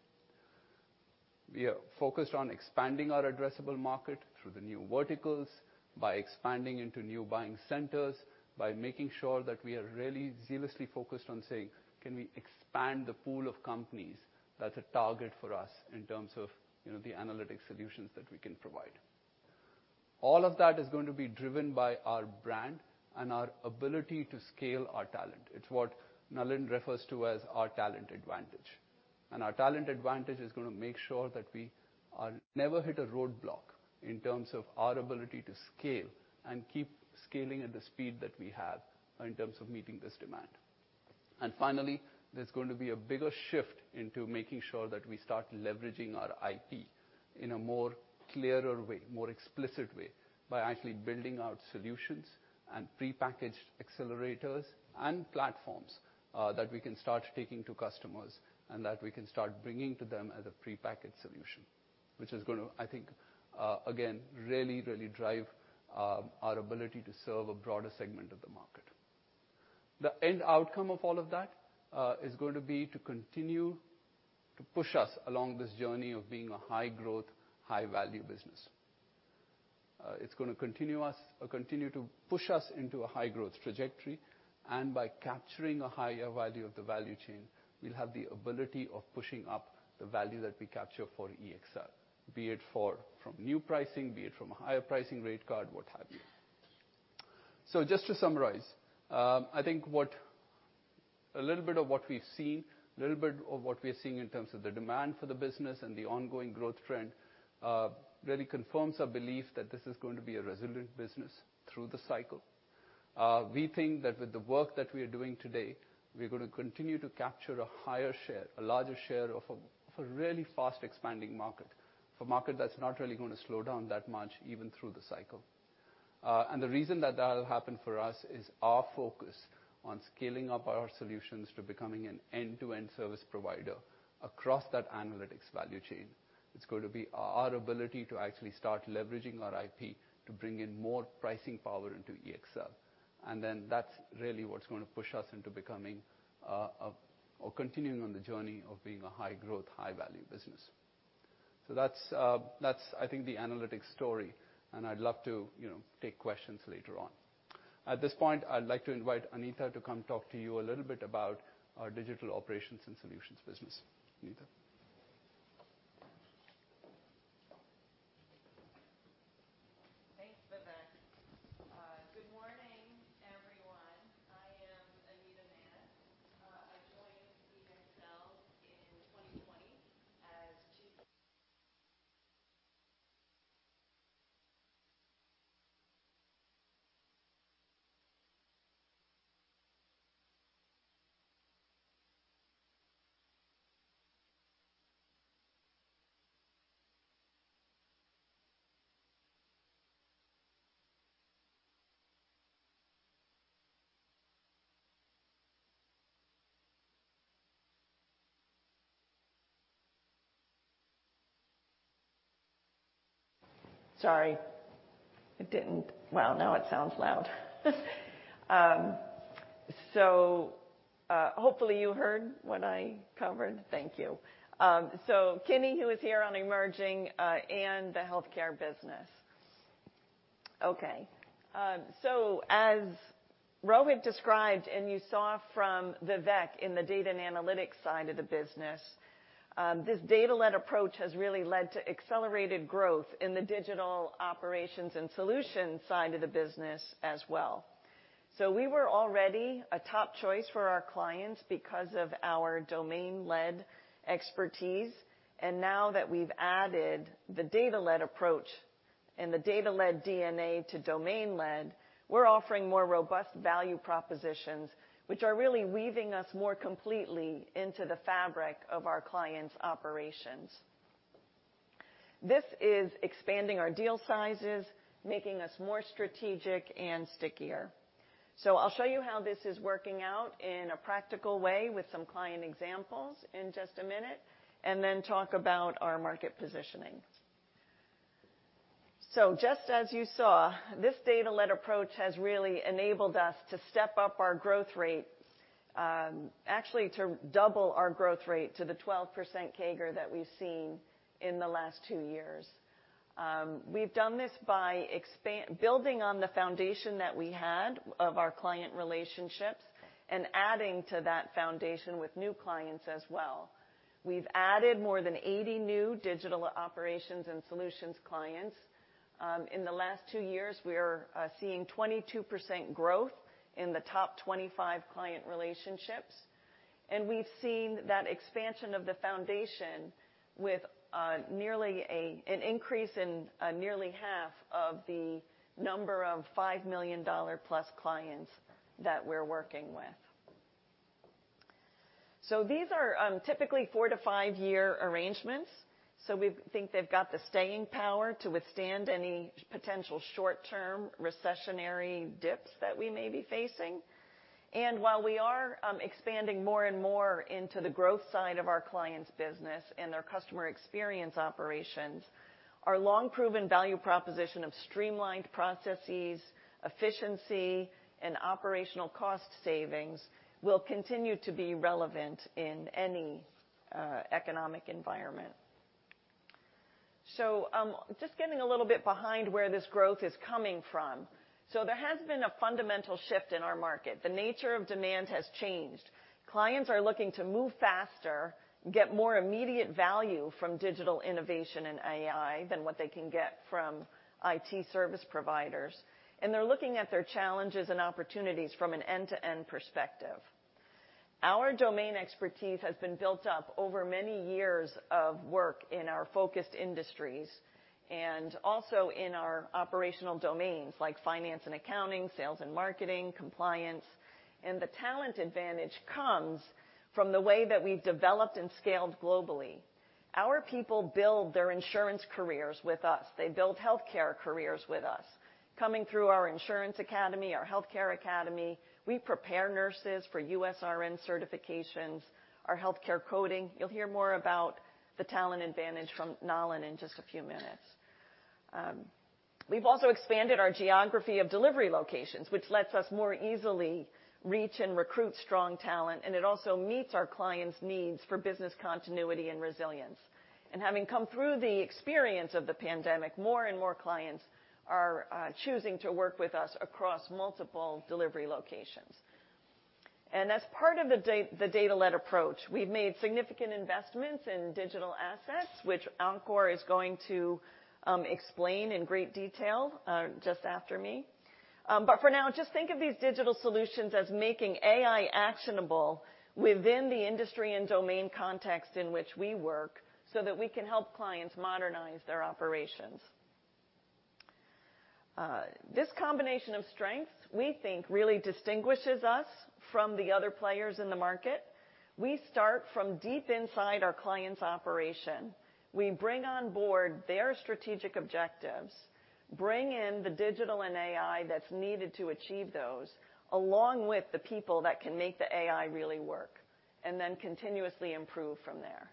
We are focused on expanding our addressable market through the new verticals, by expanding into new buying centers, by making sure that we are really zealously focused on saying, "Can we expand the pool of companies that's a target for us in terms of, you know, the analytics solutions that we can provide?" All of that is going to be driven by our brand and our ability to scale our talent. It's what Nalin refers to as our talent advantage, and our talent advantage is gonna make sure that we are never hit a roadblock in terms of our ability to scale and keep scaling at the speed that we have in terms of meeting this demand. Finally, there's going to be a bigger shift into making sure that we start leveraging our IT in a more clearer way, more explicit way, by actually building out solutions and prepackaged accelerators and platforms that we can start taking to customers and that we can start bringing to them as a prepackaged solution. Which is gonna, I think, again, really drive our ability to serve a broader segment of the market. The end outcome of all of that is going to be to continue to push us along this journey of being a high-growth, high-value business. It's gonna continue to push us into a high-growth trajectory, and by capturing a higher value of the value chain, we'll have the ability of pushing up the value that we capture for EXL, be it for, from new pricing, be it from a higher pricing rate card, what have you. Just to summarize, I think a little bit of what we've seen, a little bit of what we're seeing in terms of the demand for the business and the ongoing growth trend, really confirms our belief that this is going to be a resilient business through the cycle. We think that with the work that we are doing today, we're gonna continue to capture a higher share, a larger share of a really fast expanding market. A market that's not really gonna slow down that much even through the cycle. The reason that will happen for us is our focus on scaling up our solutions to becoming an end-to-end service provider across that analytics value chain. It's going to be our ability to actually start leveraging our IP to bring in more pricing power into EXL. That's really what's gonna push us into becoming or continuing on the journey of being a high-growth, high-value business. That's, I think, the analytics story, and I'd love to, you know, take questions later on. At this point, I'd like to invite Anita to come talk to you a little bit about Digital Operations and Solutions business. Anita. Thanks, Vivek. Good morning, everyone. I am Anita Mahon. I joined EXL in 2020. Hopefully, you heard what I covered. Thank you. Kenny, who is here on Emerging and the Healthcare business. Okay. As Rohit described, and you saw from Vivek in the data and analytics side of the business, this data-led approach has really led to accelerated growth in Digital Operations and Solutions side of the business as well. We were already a top choice for our clients because of our domain-led expertise. Now that we've added the data-led approach and the data-led DNA to domain-led, we're offering more robust value propositions, which are really weaving us more completely into the fabric of our clients' operations. This is expanding our deal sizes, making us more strategic and stickier. I'll show you how this is working out in a practical way with some client examples in just a minute, and then talk about our market positioning. Just as you saw, this data-led approach has really enabled us to step up our growth rates, actually to double our growth rate to the 12% CAGR that we've seen in the last two years. We've done this by building on the foundation that we had of our client relationships and adding to that foundation with new clients as well. We've added more than 80 Digital Operations and Solutions clients. In the last two years, we are seeing 22% growth in the top 25 client relationships. We've seen that expansion of the foundation with an increase in nearly half of the number of $5 million plus clients that we're working with. These are typically 4- to 5-year arrangements. We think they've got the staying power to withstand any potential short-term recessionary dips that we may be facing. While we are expanding more and more into the growth side of our clients' business and their customer experience operations, our long-proven value proposition of streamlined processes, efficiency, and operational cost savings will continue to be relevant in any economic environment. Just getting a little bit behind where this growth is coming from. There has been a fundamental shift in our market. The nature of demand has changed. Clients are looking to move faster, get more immediate value from digital innovation and AI than what they can get from IT service providers, and they're looking at their challenges and opportunities from an end-to-end perspective. Our domain expertise has been built up over many years of work in our focused industries and also in our operational domains, like Finance and Accounting, sales and marketing, compliance. The talent advantage comes from the way that we've developed and scaled globally. Our people build their Insurance careers with us. They build Healthcare careers with us. Coming through our Insurance Academy, our Healthcare Academy , we prepare nurses for USRN certifications, our Healthcare coding. You'll hear more about the talent advantage from Nalin in just a few minutes. We've also expanded our geography of delivery locations, which lets us more easily reach and recruit strong talent, and it also meets our clients' needs for business continuity and resilience. Having come through the experience of the pandemic, more and more clients are choosing to work with us across multiple delivery locations. As part of the data-led approach, we've made significant investments in digital assets, which Ankor is going to explain in great detail just after me. But for now, just think of these digital solutions as making AI actionable within the industry and domain context in which we work, so that we can help clients modernize their operations. This combination of strengths, we think really distinguishes us from the other players in the market. We start from deep inside our client's operation. We bring on board their strategic objectives, bring in the digital and AI that's needed to achieve those, along with the people that can make the AI really work, and then continuously improve from there.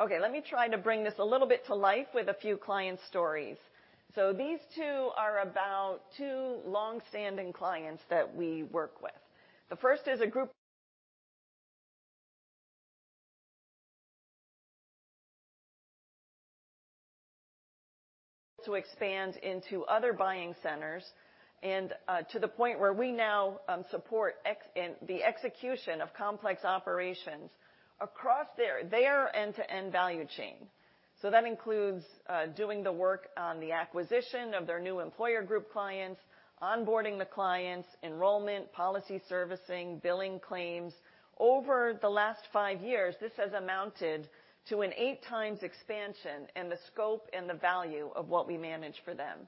Okay, let me try to bring this a little bit to life with a few client stories. These two are about two long-standing clients that we work with. The first is a group, to expand into other buying centers and, to the point where we now support in the execution of complex operations across their end-to-end value chain. That includes doing the work on the acquisition of their new employer group clients, onboarding the clients, enrollment, policy servicing, billing claims. Over the last five years, this has amounted to an eight times expansion in the scope and the value of what we manage for them.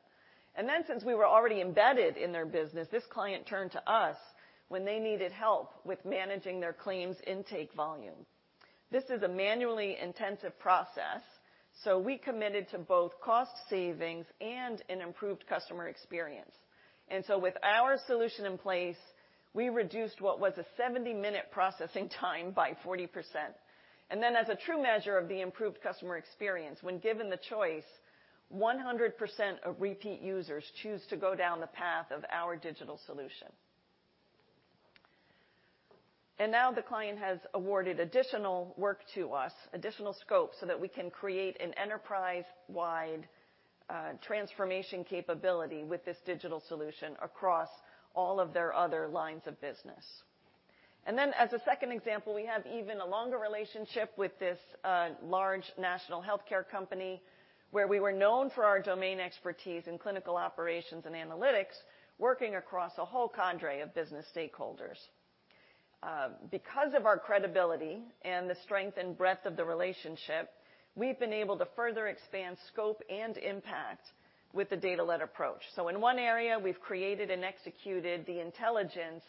Since we were already embedded in their business, this client turned to us when they needed help with managing their claims intake volume. This is a manually intensive process, so we committed to both cost savings and an improved customer experience. With our solution in place, we reduced what was a 70-minute processing time by 40%. As a true measure of the improved customer experience, when given the choice, 100% of repeat users choose to go down the path of our digital solution. Now the client has awarded additional work to us, additional scope, so that we can create an enterprise-wide transformation capability with this digital solution across all of their other lines of business. As a second example, we have even a longer relationship with this, large national Healthcare company, where we were known for our domain expertise in clinical operations and analytics, working across a whole cadre of business stakeholders. Because of our credibility and the strength and breadth of the relationship, we've been able to further expand scope and impact with the data-led approach. In one area, we've created and executed the intelligence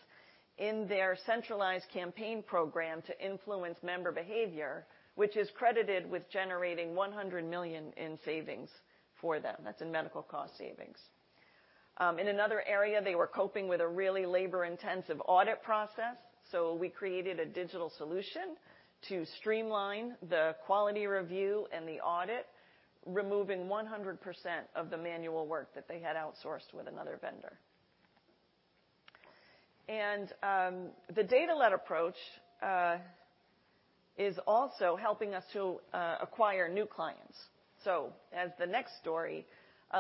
in their centralized campaign program to influence member behavior, which is credited with generating $100 million in savings for them. That's in medical cost savings. In another area, they were coping with a really labor-intensive audit process, so we created a digital solution to streamline the quality review and the audit, removing 100% of the manual work that they had outsourced with another vendor. The data-led approach is also helping us to acquire new clients. As the next story,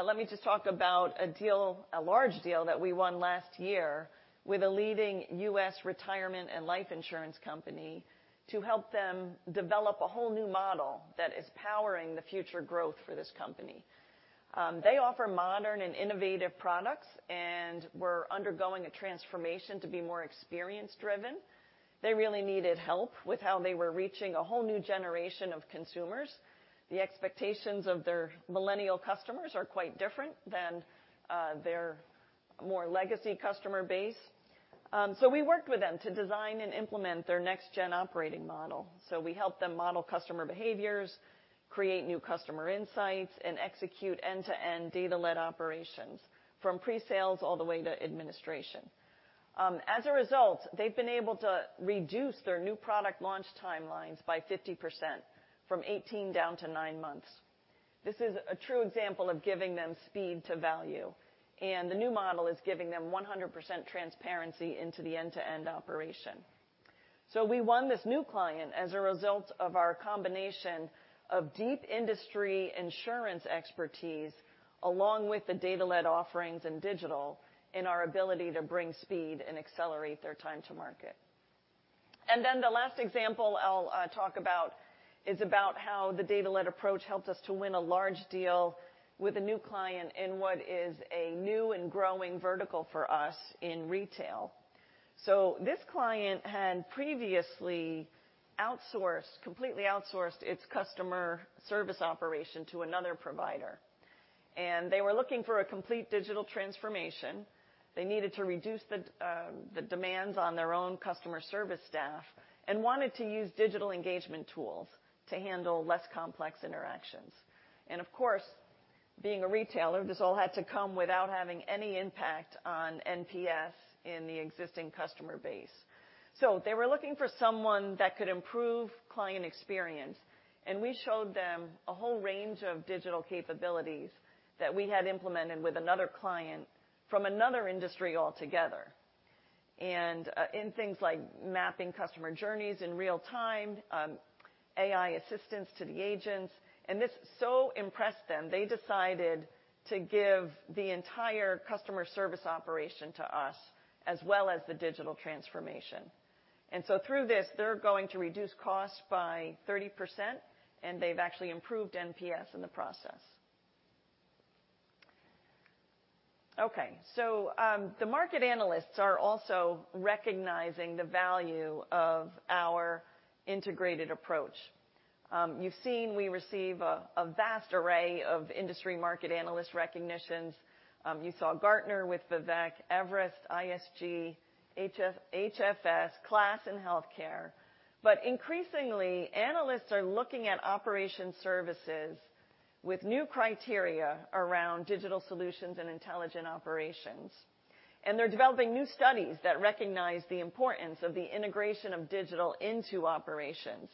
let me just talk about a deal, a large deal that we won last year with a leading US retirement and life Insurance company to help them develop a whole new model that is powering the future growth for this company. They offer modern and innovative products and were undergoing a transformation to be more experience driven. They really needed help with how they were reaching a whole new generation of consumers. The expectations of their millennial customers are quite different than their more legacy customer base. We worked with them to design and implement their next gen operating model. We helped them model customer behaviors, create new customer insights, and execute end-to-end data-led operations from pre-sales all the way to administration. As a result, they've been able to reduce their new product launch timelines by 50% from 18 down to 9 months. This is a true example of giving them speed to value, and the new model is giving them 100% transparency into the end-to-end operation. We won this new client as a result of our combination of deep industry Insurance expertise, along with the data-led offerings and digital in our ability to bring speed and accelerate their time to market. Then the last example I'll talk about is about how the data-led approach helped us to win a large deal with a new client in what is a new and growing vertical for us in retail. This client had previously outsourced, completely outsourced its customer service operation to another provider, and they were looking for a complete digital transformation. They needed to reduce the demands on their own customer service staff and wanted to use digital engagement tools to handle less complex interactions. Of course, being a retailer, this all had to come without having any impact on NPS in the existing customer base. They were looking for someone that could improve client experience, and we showed them a whole range of digital capabilities that we had implemented with another client from another industry altogether. In things like mapping customer journeys in real-time, AI assistance to the agents, and this so impressed them, they decided to give the entire customer service operation to us, as well as the digital transformation. Through this, they're going to reduce costs by 30%, and they've actually improved NPS in the process. Okay. The market analysts are also recognizing the value of our integrated approach. You've seen we receive a vast array of industry market analyst recognitions. You saw Gartner with Vivek, Everest, ISG, HFS, KLAS in Healthcare. Increasingly, analysts are looking at operation services with new criteria around digital solutions and intelligent operations. They're developing new studies that recognize the importance of the integration of digital into operations.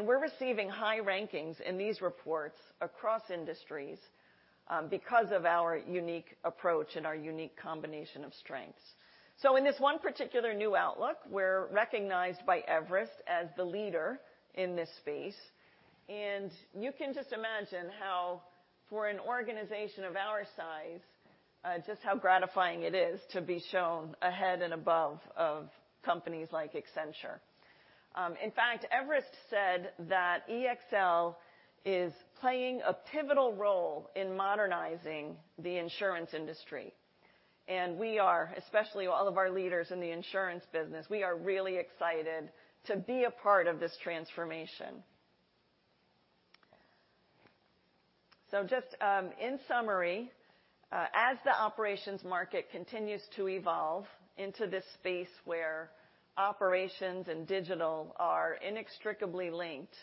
We're receiving high rankings in these reports across industries, because of our unique approach and our unique combination of strengths. In this one particular new outlook, we're recognized by Everest as the Leader in this space. You can just imagine how, for an organization of our size, just how gratifying it is to be shown ahead and above of companies like Accenture. In fact, Everest said that EXL is playing a pivotal role in modernizing the Insurance industry. We are, especially all of our Leader s in the Insurance business, we are really excited to be a part of this transformation. Just, in summary, as the operations market continues to evolve into this space where operations and digital are inextricably linked,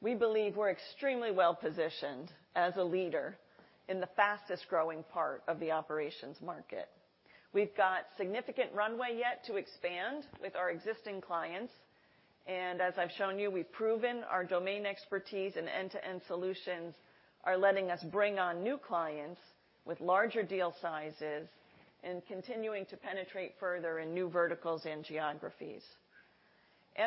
we believe we're extremely well-positioned as a Leader in the fastest-growing part of the operations market. We've got significant runway yet to expand with our existing clients, and as I've shown you, we've proven our domain expertise and end-to-end solutions are letting us bring on new clients with larger deal sizes and continuing to penetrate further in new verticals and geographies.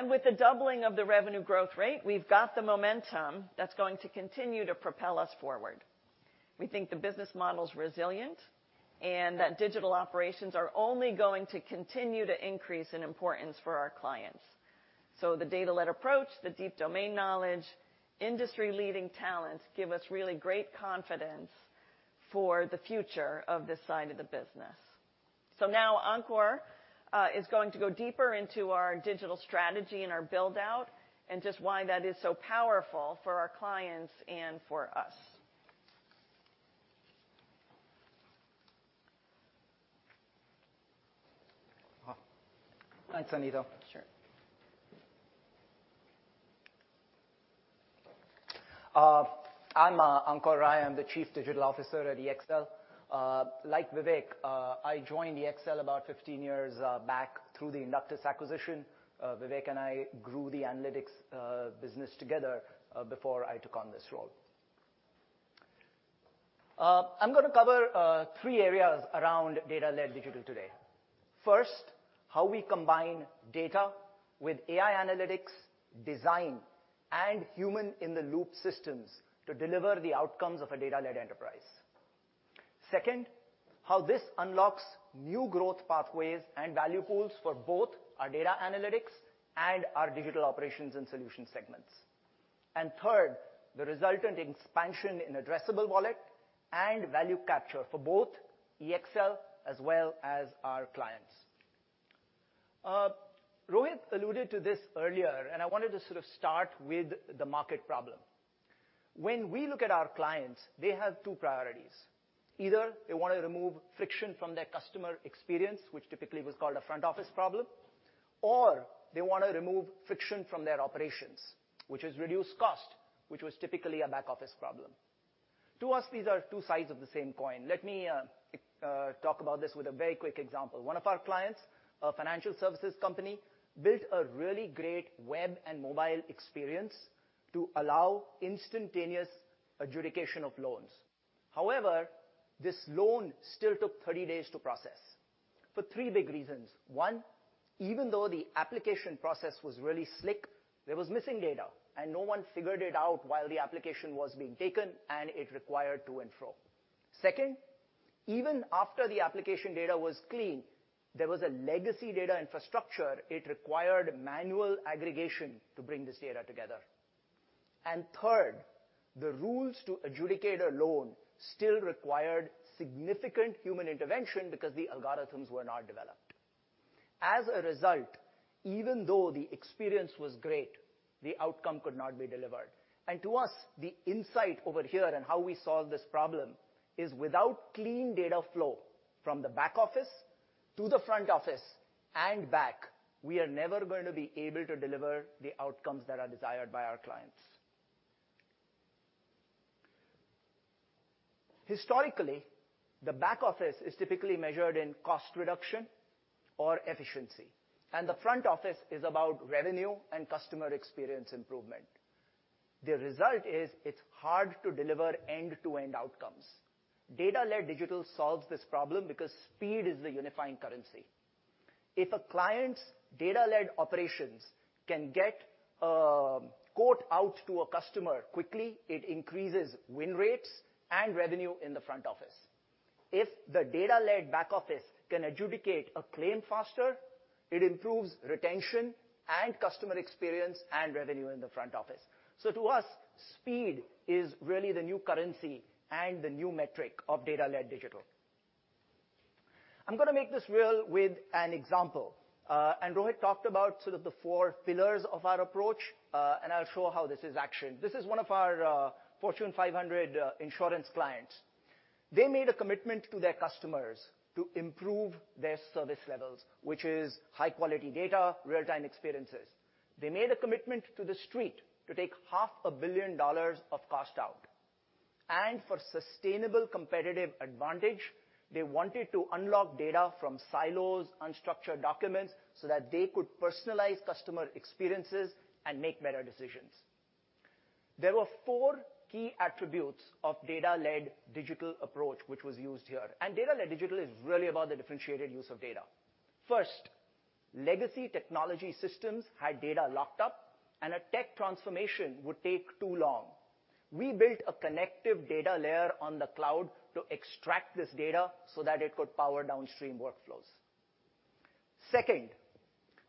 With the doubling of the revenue growth rate, we've got the momentum that's going to continue to propel us forward. We think the business model's resilient and that Digital Operations are only going to continue to increase in importance for our clients. The data-led approach, the deep domain knowledge, industry-leading talent, give us really great confidence for the future of this side of the business. Now Ankor is going to go deeper into our digital strategy and our build-out, and just why that is so powerful for our clients and for us. Oh. Thanks, Anita. Sure. I'm Ankor Rai. I'm the Chief Digital Officer at EXL. Like Vivek, I joined EXL about 15 years back through the Inductis acquisition. Vivek and I grew the analytics business together before I took on this role. I'm gonna cover 3 areas around data-led digital today. First, how we combine data with AI analytics, design, and human-in-the-loop systems to deliver the outcomes of a data-led enterprise. Second, how this unlocks new growth pathways and value pools for both our data analytics and Digital Operations and Solutions segments. Third, the resultant expansion in addressable wallet and value capture for both EXL as well as our clients. Rohit alluded to this earlier, and I wanted to sort of start with the market problem. When we look at our clients, they have two priorities. Either they wanna remove friction from their customer experience, which typically was called a front office problem, or they wanna remove friction from their operations, which is reduced cost, which was typically a back-office problem. To us, these are two sides of the same coin. Let me talk about this with a very quick example. One of our clients, a financial services company, built a really great web and mobile experience to allow instantaneous adjudication of loans. However, this loan still took 30 days to process for three big reasons. One, even though the application process was really slick, there was missing data, and no one figured it out while the application was being taken, and it required to and fro. Second, even after the application data was clean, there was a legacy data infrastructure. It required manual aggregation to bring this data together. Third, the rules to adjudicate a loan still required significant human intervention because the algorithms were not developed. As a result, even though the experience was great, the outcome could not be delivered. To us, the insight over here and how we solve this problem is without clean data flow from the back office to the front office and back, we are never going to be able to deliver the outcomes that are desired by our clients. Historically, the back office is typically measured in cost reduction or efficiency, and the front office is about revenue and customer experience improvement. The result is it's hard to deliver end-to-end outcomes. Data-led digital solves this problem because speed is the unifying currency. If a client's data-led operations can get a quote out to a customer quickly, it increases win rates and revenue in the front office. If the data-led back office can adjudicate a claim faster, it improves retention and customer experience and revenue in the front office. To us, speed is really the new currency and the new metric of data-led digital. I'm gonna make this real with an example. Rohit talked about sort of the four pillars of our approach, and I'll show how this is actioned. This is one of our Fortune 500 Insurance clients. They made a commitment to their customers to improve their service levels, which is high-quality data, real-time experiences. They made a commitment to the street to take half a billion dollars of cost out. For sustainable competitive advantage, they wanted to unlock data from silos, unstructured documents, so that they could personalize customer experiences and make better decisions. There were four key attributes of data-led digital approach, which was used here, and data-led digital is really about the differentiated use of data. First, legacy technology systems had data locked up, and a tech transformation would take too long. We built a connective data layer on the cloud to extract this data so that it could power downstream workflows. Second,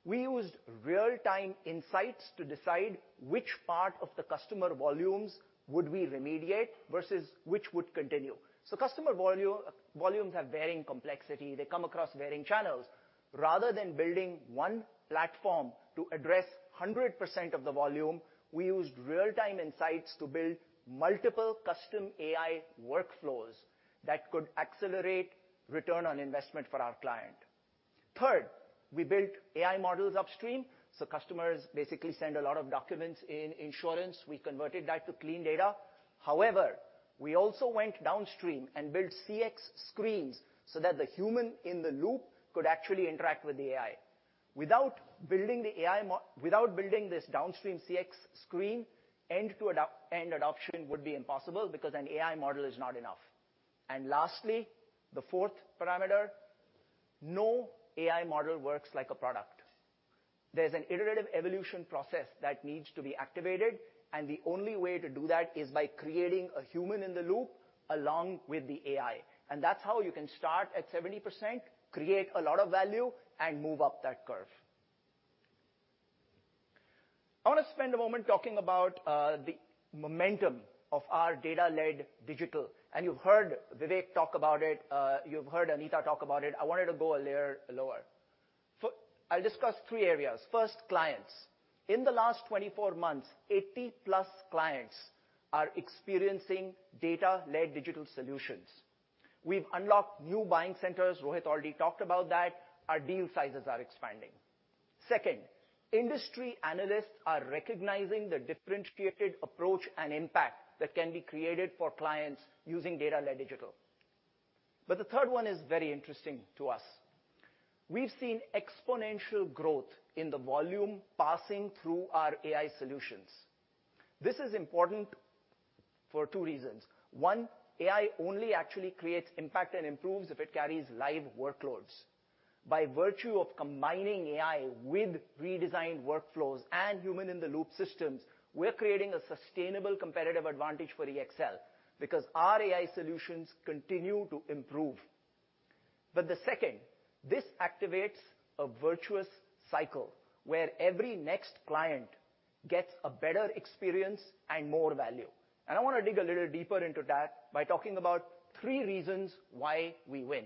we used real-time insights to decide which part of the customer volumes would we remediate versus which would continue. Customer volumes have varying complexity. They come across varying channels. Rather than building one platform to address 100% of the volume, we used real-time insights to build multiple custom AI workflows that Return on Investment for our client. Third, we built AI models upstream, so customers basically send a lot of documents in Insurance. We converted that to clean data. However, we also went downstream and built CX screens so that the human in the loop could actually interact with the AI. Without building this downstream CX screen, end-to-end adoption would be impossible because an AI model is not enough. Lastly, the fourth parameter, no AI model works like a product. There's an iterative evolution process that needs to be activated, and the only way to do that is by creating a human in the loop along with the AI. That's how you can start at 70%, create a lot of value, and move up that curve. I wanna spend a moment talking about the momentum of our data-led digital, and you've heard Vivek talk about it. You've heard Anita talk about it. I wanted to go a layer lower. I'll discuss three areas. First, clients. In the last 24 months, 80+ clients are experiencing data-led digital solutions. We've unlocked new buying centers. Rohit already talked about that. Our deal sizes are expanding. Second, industry analysts are recognizing the differentiated approach and impact that can be created for clients using data-led digital. The third one is very interesting to us. We've seen exponential growth in the volume passing through our AI solutions. This is important for two reasons. One, AI only actually creates impact and improves if it carries live workloads. By virtue of combining AI with redesigned workflows and human-in-the-loop systems, we're creating a sustainable competitive advantage for EXL because our AI solutions continue to improve. The second, this activates a virtuous cycle where every next client gets a better experience and more value. I wanna dig a little deeper into that by talking about three reasons why we win.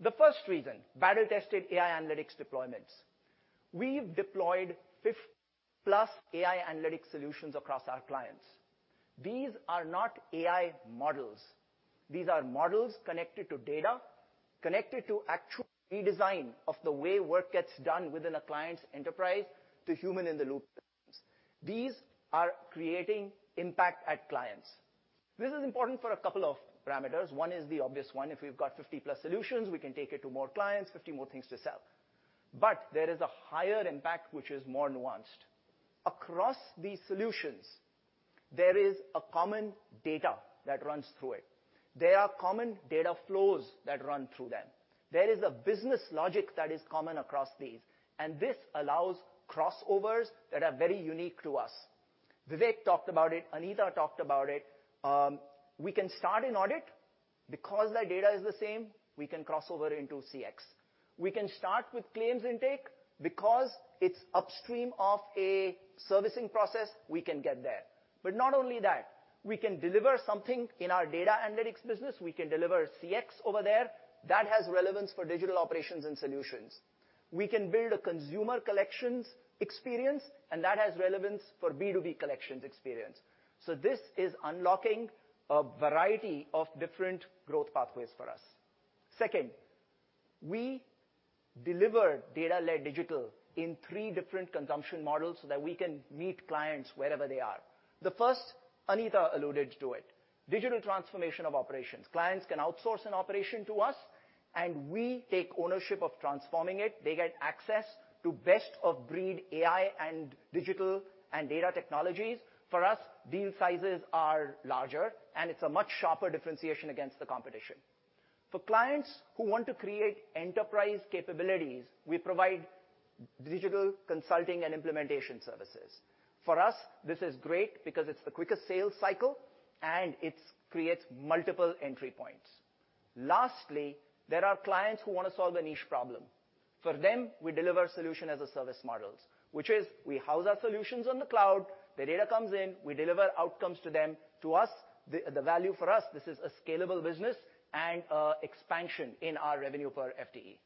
The first reason, battle-tested AI analytics deployments. We've deployed 50+ AI analytics solutions across our clients. These are not AI models. These are models connected to data, connected to actual redesign of the way work gets done within a client's enterprise to human-in-the-loop systems. These are creating impact at clients. This is important for a couple of parameters. One is the obvious one. If we've got 50+ solutions, we can take it to more clients, 50 more things to sell. But there is a higher impact which is more nuanced. Across these solutions, there is a common data that runs through it. There are common data flows that run through them. There is a business logic that is common across these, and this allows crossovers that are very unique to us. Vivek talked about it. Anita talked about it. We can start in audit. Because the data is the same, we can cross over into CX. We can start with claims intake. Because it's upstream of a servicing process, we can get there. Not only that, we can deliver something in our data analytics business. We can deliver CX over there. That has relevance Digital Operations and Solutions. we can build a consumer collections experience, and that has relevance for B2B collections experience. This is unlocking a variety of different growth pathways for us. Second, we deliver data-led digital in three different consumption models, so that we can meet clients wherever they are. The first, Anita alluded to it, digital transformation of operations. Clients can outsource an operation to us, and we take ownership of transforming it. They get access to best of breed AI and digital and data technologies. For us, deal sizes are larger, and it's a much sharper differentiation against the competition. For clients who want to create enterprise capabilities, we provide digital consulting and implementation services. For us, this is great because it's the quickest sales cycle, and it creates multiple entry points. Lastly, there are clients who wanna solve a niche problem. For them, we deliver Solution As-a-Service models, which is we house our solutions on the cloud, their data comes in, we deliver outcomes to them. To us, the value for us, this is a scalable business and expansion in our revenue per FTE.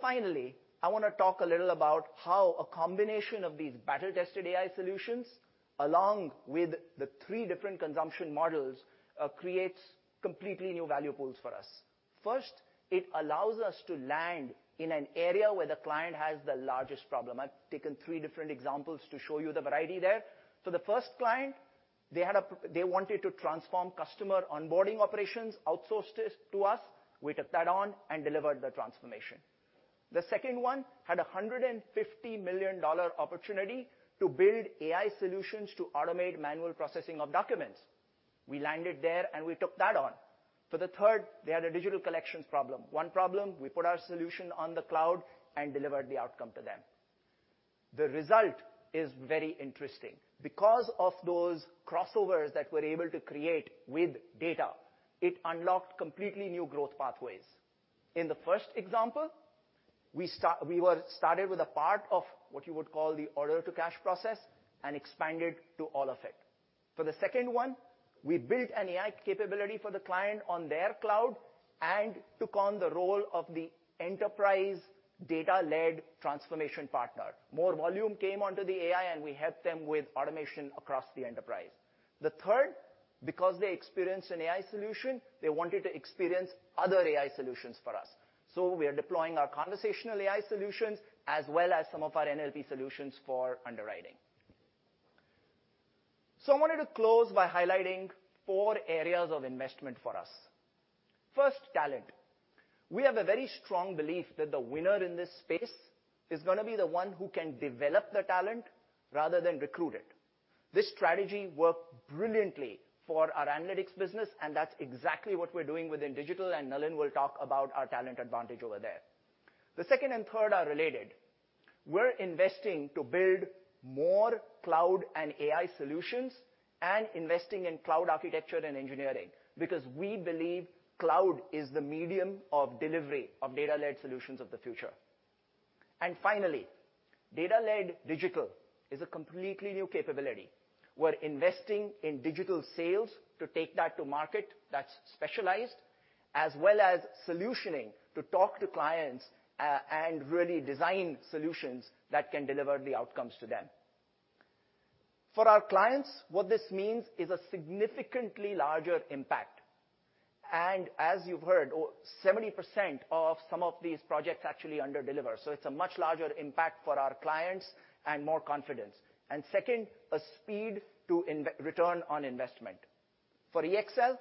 Finally, I wanna talk a little about how a combination of these battle-tested AI solutions, along with the three different consumption models, creates completely new value pools for us. First, it allows us to land in an area where the client has the largest problem. I've taken three different examples to show you the variety there. For the first client, they wanted to transform customer onboarding operations, outsourced this to us, we took that on and delivered the transformation. The second one had a $150 million opportunity to build AI solutions to automate manual processing of documents. We landed there, and we took that on. For the third, they had a digital collections problem. We put our solution on the cloud and delivered the outcome to them. The result is very interesting. Because of those crossovers that we're able to create with data, it unlocked completely new growth pathways. In the first example, we started with a part of what you would call the order to cash process and expanded to all of it. For the second one, we built an AI capability for the client on their cloud and took on the role of the enterprise data-led transformation partner. More volume came onto the AI, and we helped them with automation across the enterprise. The third, because they experienced an AI solution, they wanted to experience other AI solutions for us, so we are deploying our Conversational AI solutions as well as some of our NLP solutions for underwriting. I wanted to close by highlighting four areas of investment for us. First, talent. We have a very strong belief that the winner in this space is gonna be the one who can develop the talent rather than recruit it. This strategy worked brilliantly for our analytics business, and that's exactly what we're doing within digital, and Nalin will talk about our talent advantage over there. The second and third are related. We're investing to build more cloud and AI solutions and investing in cloud architecture and engineering because we believe cloud is the medium of delivery of data-led solutions of the future. Finally, data-led digital is a completely new capability. We're investing in digital sales to take that to market that's specialized, as well as solutioning to talk to clients, and really design solutions that can deliver the outcomes to them. For our clients, what this means is a significantly larger impact and, as you've heard, over 70% of some of these projects actually underdeliver, so it's a much larger impact for our clients and more confidence. Second, a Return on Investment. forEXL,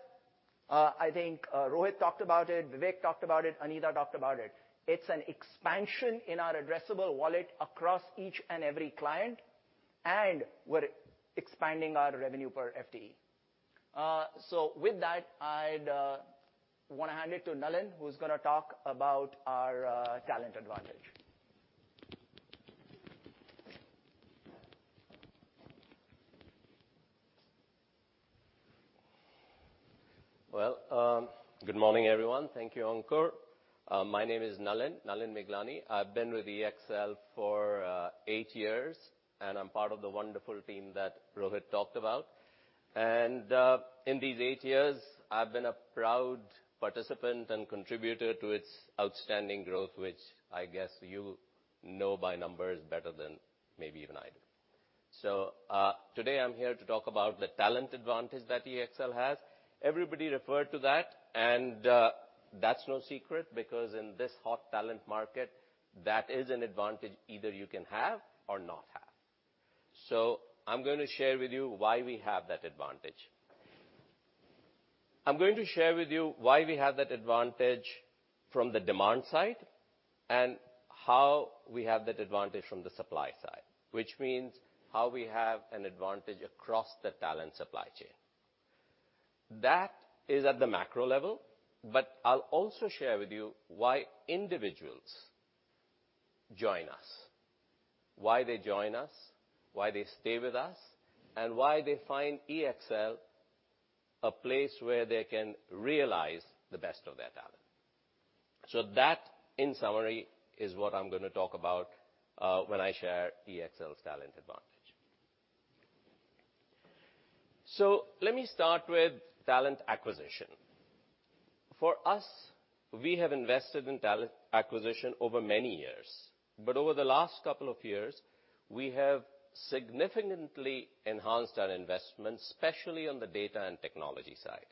I think, Rohit talked about it, Vivek talked about it, Anita talked about it. It's an expansion in our addressable wallet across each and every client, and we're expanding our revenue per FTE. With that, I'd wanna hand it to Nalin, who's gonna talk about our talent advantage. Well, good morning, everyone. Thank you, Ankor. My name is Nalin Miglani. I've been with EXL for eight years, and I'm part of the wonderful team that Rohit talked about. In these eight years, I've been a proud participant and contributor to its outstanding growth, which I guess you know by numbers better than maybe even I do. Today I'm here to talk about the talent advantage that EXL has. Everybody referred to that, and that's no secret because in this hot talent market, that is an advantage either you can have or not have. I'm gonna share with you why we have that advantage. I'm going to share with you why we have that advantage from the demand side and how we have that advantage from the supply side, which means how we have an advantage across the talent supply chain. That is at the macro level, but I'll also share with you why individuals join us. Why they join us, why they stay with us, and why they find EXL a place where they can realize the best of their talent. That, in summary, is what I'm gonna talk about when I share EXL's talent advantage. Let me start with talent acquisition. For us, we have invested in talent acquisition over many years, but over the last couple of years, we have significantly enhanced our investment, especially on the data and technology side.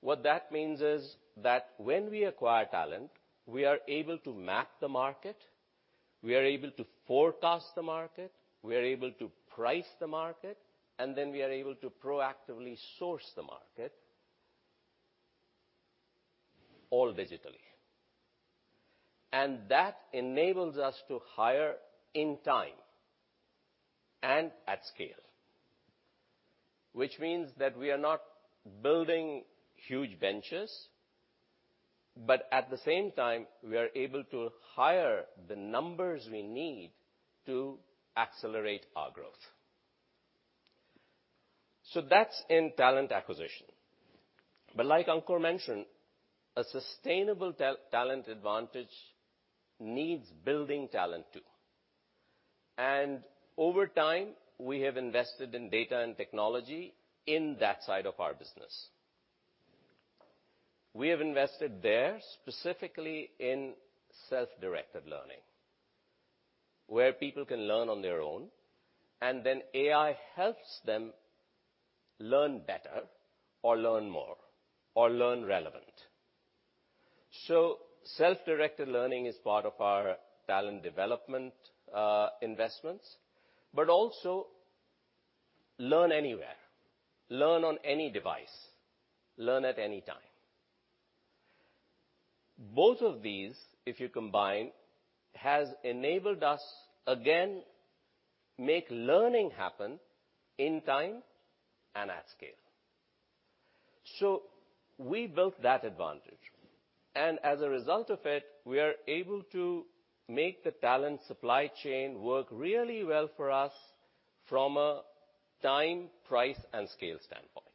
What that means is that when we acquire talent, we are able to map the market, we are able to forecast the market, we are able to price the market, and then we are able to proactively source the market, all digitally. That enables us to hire in time and at scale, which means that we are not building huge benches, but at the same time, we are able to hire the numbers we need to accelerate our growth. That's in talent acquisition. Like Ankor mentioned, a sustainable talent advantage needs building talent too. Over time, we have invested in data and technology in that side of our business. We have invested there specifically in self-directed learning, where people can learn on their own, and then AI helps them learn better or learn more or learn relevant. Self-directed learning is part of our talent development investments, but also learn anywhere, learn on any device, learn at any time. Both of these, if you combine, has enabled us again, make learning happen in time and at scale. We built that advantage, and as a result of it, we are able to make the talent supply chain work really well for us from a time, price, and scale standpoint.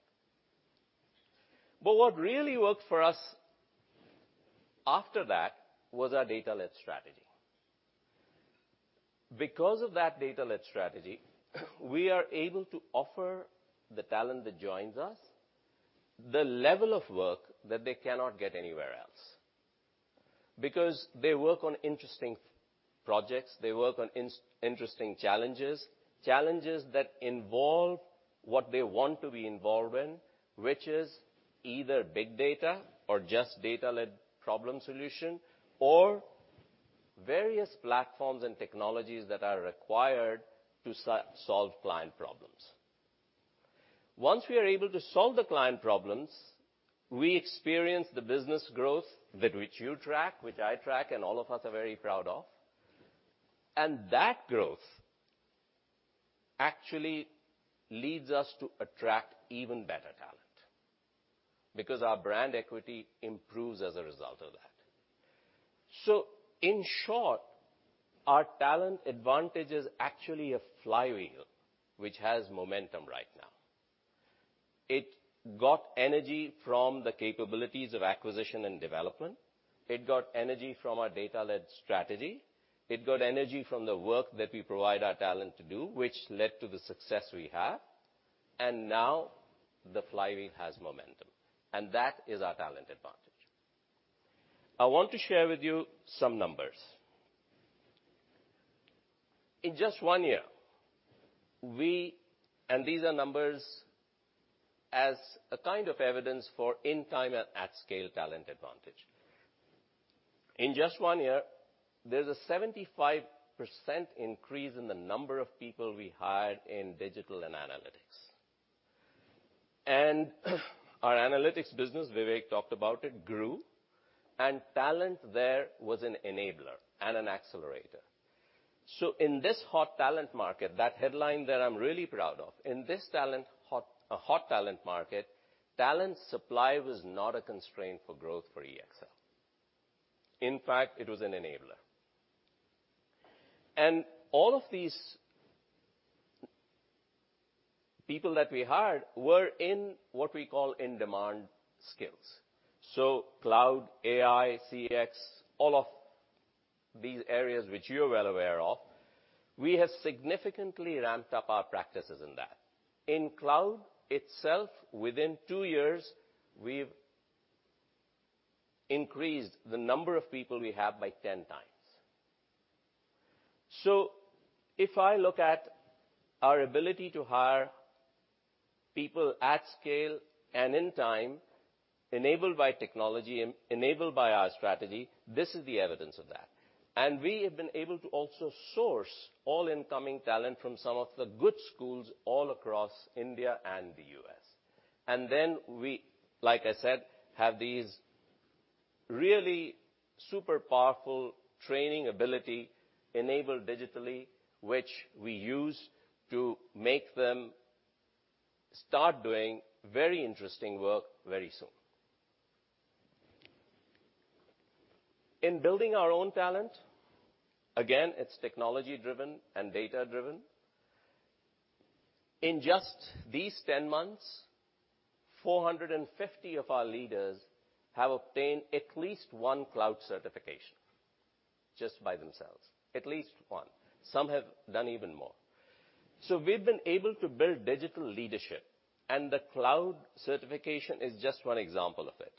What really worked for us after that was our data-led strategy. Because of that data-led strategy, we are able to offer the talent that joins us the level of work that they cannot get anywhere else. Because they work on interesting projects, they work on interesting challenges that involve what they want to be involved in, which is either big data or just data-led problem solution, or various platforms and technologies that are required to solve client problems. Once we are able to solve the client problems, we experience the business growth that which you track, which I track, and all of us are very proud of. That growth actually leads us to attract even better talent because our brand equity improves as a result of that. In short, our talent advantage is actually a flywheel, which has momentum right now. It got energy from the capabilities of acquisition and development. It got energy from our data-led strategy. It got energy from the work that we provide our talent to do, which led to the success we have. Now the flywheel has momentum, and that is our talent advantage. I want to share with you some numbers. In just one year, these are numbers as a kind of evidence for in time and at scale talent advantage. In just one year, there's a 75% increase in the number of people we hired in digital and analytics. Our analytics business, Vivek talked about it, grew, and talent there was an enabler and an accelerator. In this hot talent market, that headline that I'm really proud of, talent supply was not a constraint for growth for EXL. In fact, it was an enabler. All of these people that we hired were in what we call in-demand skills. Cloud, AI, CX, all of these areas which you're well aware of, we have significantly ramped up our practices in that. In cloud itself, within 2 years, we've increased the number of people we have by 10 times. If I look at our ability to hire people at scale and in time, enabled by technology and enabled by our strategy, this is the evidence of that. We have been able to also source all incoming talent from some of the good schools all across India and the U.S. We, like I said, have these really super powerful training ability enabled digitally, which we use to make them start doing very interesting work very soon. In building our own talent, again, it's technology-driven and data-driven. In just these 10 months, 450 of our Leader s have obtained at least 1 cloud certification just by themselves. At least 1. Some have done even more. We've been able to build digital Leader ship, and the cloud certification is just 1 example of it.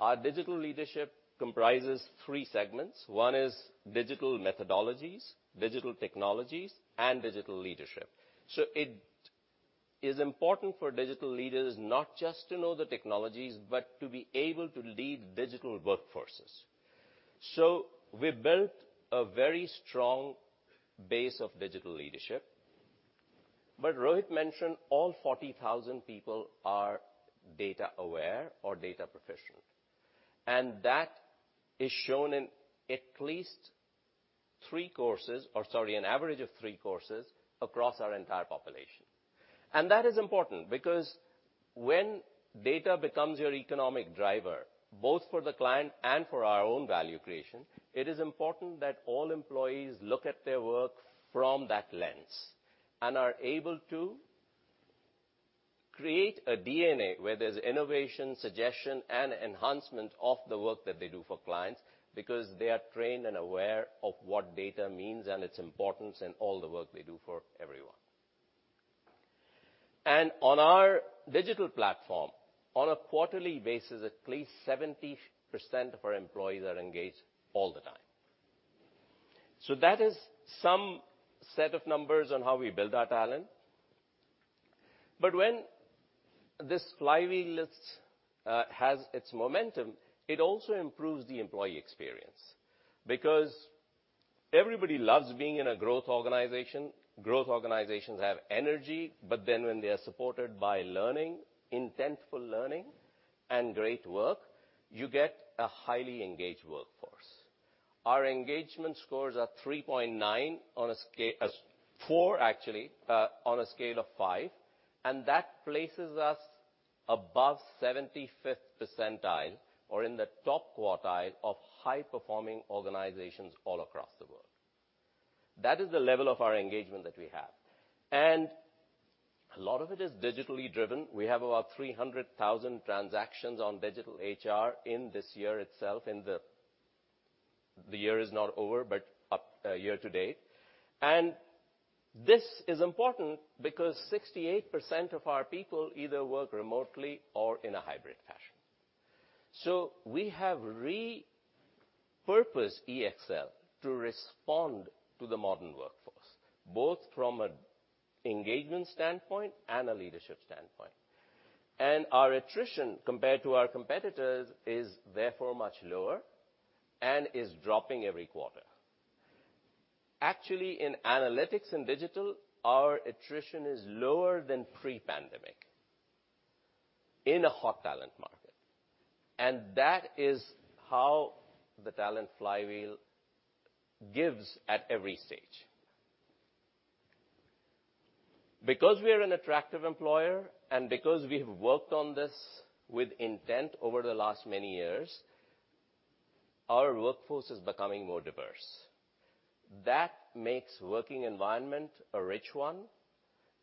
Our digital Leader ship comprises 3 segments. 1 is digital methodologies, digital technologies, and digital Leader ship. It is important for digital Leader s not just to know the technologies, but to be able to lead digital workforces. We built a very strong base of digital Leader ship. Rohit mentioned all 40,000 people are data aware or data proficient. That is shown in at least 3 courses, or sorry, an average of 3 courses across our entire population. That is important because when data becomes your economic driver, both for the client and for our own value creation, it is important that all employees look at their work from that lens, and are able to create a DNA where there's innovation, suggestion, and enhancement of the work that they do for clients because they are trained and aware of what data means and its importance in all the work they do for everyone. On our digital platform, on a quarterly basis, at least 70% of our employees are engaged all the time. That is some set of numbers on how we build our talent. When this flywheel has its momentum, it also improves the employee experience because everybody loves being in a growth organization. Growth organizations have energy, but then when they are supported by learning, intentional learning and great work, you get a highly engaged workforce. Our engagement scores are 3.9 on a scale of four, actually, on a scale of 5, and that places us above 75th percentile or in the top quartile of high-performing organizations all across the world. That is the level of our engagement that we have. A lot of it is digitally driven. We have about 300,000 transactions on digital HR in this year itself. The year is not over, but up year to date. This is important because 68% of our people either work remotely or in a hybrid fashion. We have repurposed EXL to respond to the modern workforce, both from an engagement standpoint and a Leader ship standpoint. Our attrition compared to our competitors is therefore much lower and is dropping every quarter. Actually, in analytics and digital, our attrition is lower than pre-pandemic in a hot talent market. That is how the talent flywheel gives at every stage. Because we are an attractive employer, and because we have worked on this with intent over the last many years, our workforce is becoming more diverse. That makes working environment a rich one,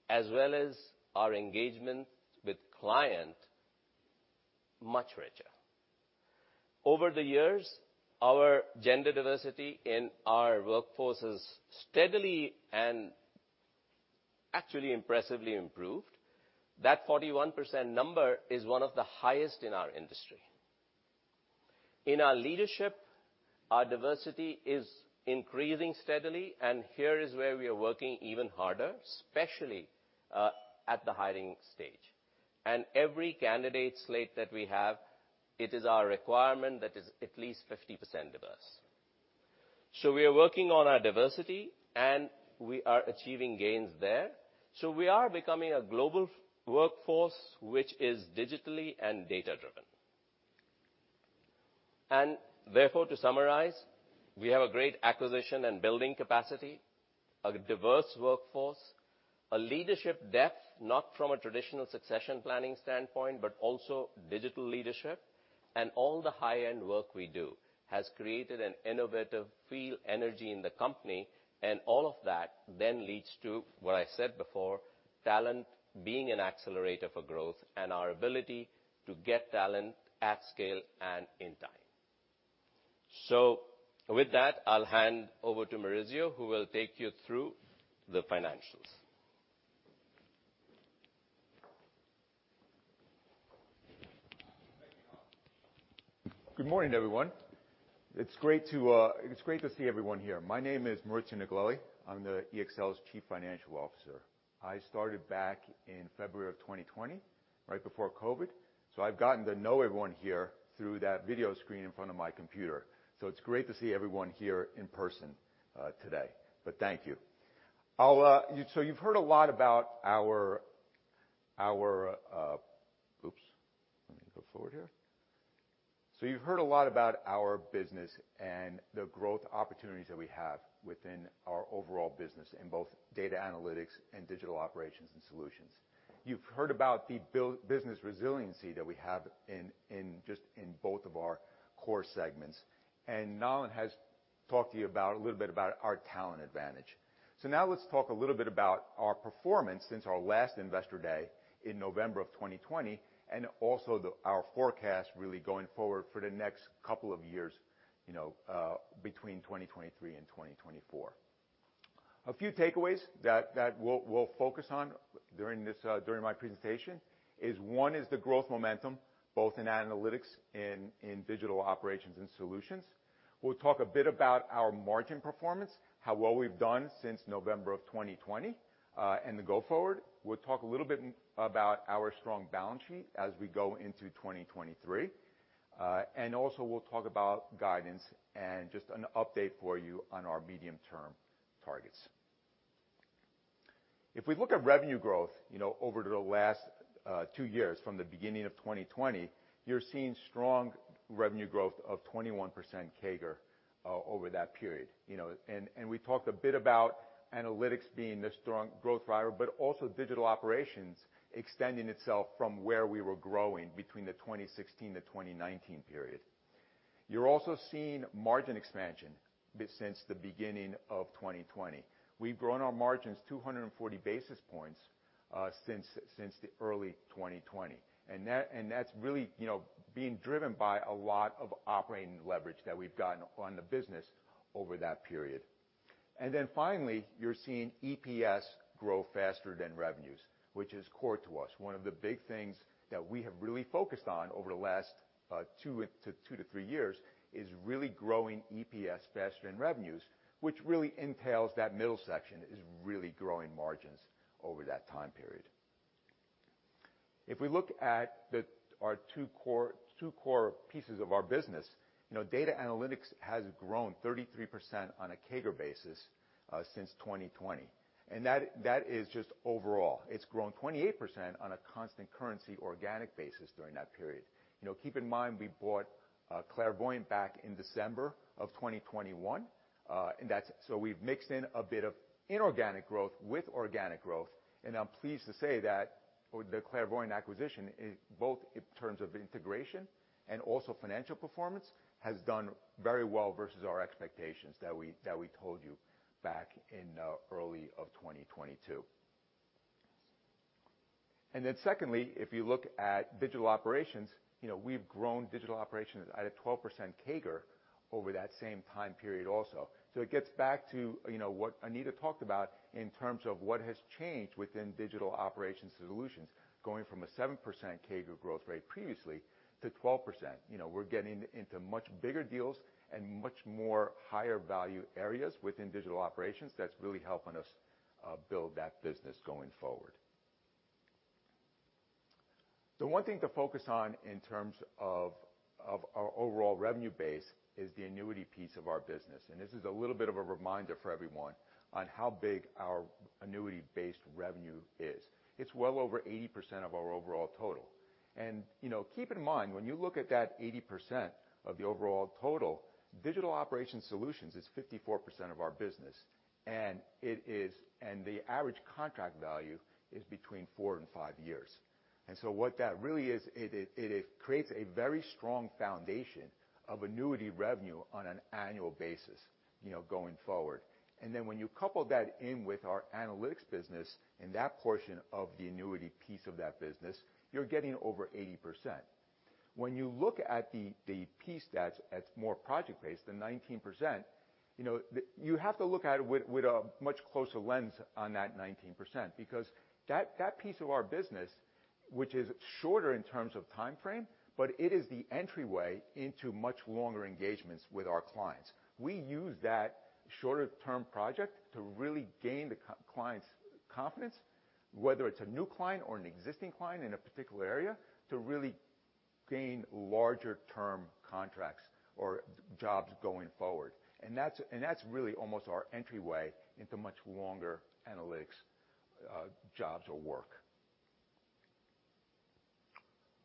as well as our engagement with client much richer. Over the years, our gender diversity in our workforce has steadily and actually impressively improved. That 41% number is one of the highest in our industry. In our Leader ship, our diversity is increasing steadily, and here is where we are working even harder, especially, at the hiring stage. Every candidate slate that we have, it is our requirement that is at least 50% diverse. We are working on our diversity, and we are achieving gains there. We are becoming a global workforce which is digitally and data-driven. Therefore, to summarize, we have a great acquisition and building capacity, a diverse workforce, a Leader ship depth, not from a traditional succession planning standpoint, but also digital Leader ship. All the high-end work we do has created an innovative feel energy in the company, and all of that then leads to what I said before, talent being an accelerator for growth and our ability to get talent at scale and in time. With that, I'll hand over to Maurizio, who will take you through the financials. Good morning, everyone. It's great to see everyone here. My name is Maurizio Nicolelli. I'm EXL's Chief Financial Officer. I started back in February of 2020, right before COVID. I've gotten to know everyone here through that video screen in front of my computer. It's great to see everyone here in person today. Thank you. I'll. You've heard a lot about our business and the growth opportunities that we have within our overall business in both data analytics Digital Operations and Solutions. oops, let me go forward here. you've heard a lot about our business resiliency that we have in just in both of our core segments. Nalin has talked to you about a little bit about our talent advantage. Now let's talk a little bit about our performance since our last investor day in November of 2020, and also our forecast really going forward for the next couple of years, you know, between 2023 and 2024. A few takeaways that we'll focus on during my presentation is the growth momentum, both in Analytics and Digital Operations and Solutions. we'll talk a bit about our margin performance, how well we've done since November of 2020. Then going forward, we'll talk a little bit about our strong balance sheet as we go into 2023. Also we'll talk about guidance and just an update for you on our medium-term targets. If we look at revenue growth, you know, over the last two years from the beginning of 2020, you're seeing strong revenue growth of 21% CAGR over that period. You know, and we talked a bit about analytics being the strong growth driver, but also Digital Operations extending itself from where we were growing between the 2016 to 2019 period. You're also seeing margin expansion since the beginning of 2020. We've grown our margins 240 basis points since the early 2020, and that's really, you know, being driven by a lot of operating leverage that we've gotten on the business over that period. Then finally, you're seeing EPS grow faster than revenues, which is core to us. One of the big things that we have really focused on over the last two to three years is really growing EPS faster than revenues, which really entails that middle section is really growing margins over that time period. If we look at our two core pieces of our business, you know, data analytics has grown 33% on a CAGR basis since 2020, and that is just overall. It's grown 28% on a constant currency organic basis during that period. You know, keep in mind, we bought Clairvoyant back in December 2021. We've mixed in a bit of inorganic growth with organic growth, and I'm pleased to say that the Clairvoyant acquisition, both in terms of integration and financial performance, has done very well versus our expectations that we told you back in early 2022. Secondly, if you look at Digital Operations, you know, we've grown Digital Operations at a 12% CAGR over that same time period also. It gets back to, you know, what Anita talked about in terms of what has changed within Digital Operations solutions, going from a 7% CAGR growth rate previously to 12%. You know, we're getting into much bigger deals and much more higher value areas within Digital Operations that's really helping us build that business going forward. The one thing to focus on in terms of our overall revenue base is the annuity piece of our business, and this is a little bit of a reminder for everyone on how big our annuity-based revenue is. It's well over 80% of our overall total. You know, keep in mind, when you look at that 80% of the overall total, Digital Operations solutions is 54% of our business, and the average contract value is between 4-5 years. What that really is, it creates a very strong foundation of annuity revenue on an annual basis, you know, going forward. When you couple that in with our analytics business and that portion of the annuity piece of that business, you're getting over 80%. When you look at the piece that's more project-based, the 19%, you know, you have to look at it with a much closer lens on that 19% because that piece of our business, which is shorter in terms of timeframe, but it is the entryway into much longer engagements with our clients. We use that shorter-term project to really gain the client's confidence, whether it's a new client or an existing client in a particular area, to really gain larger term contracts or jobs going forward. That's really almost our entryway into much longer analytics jobs or work.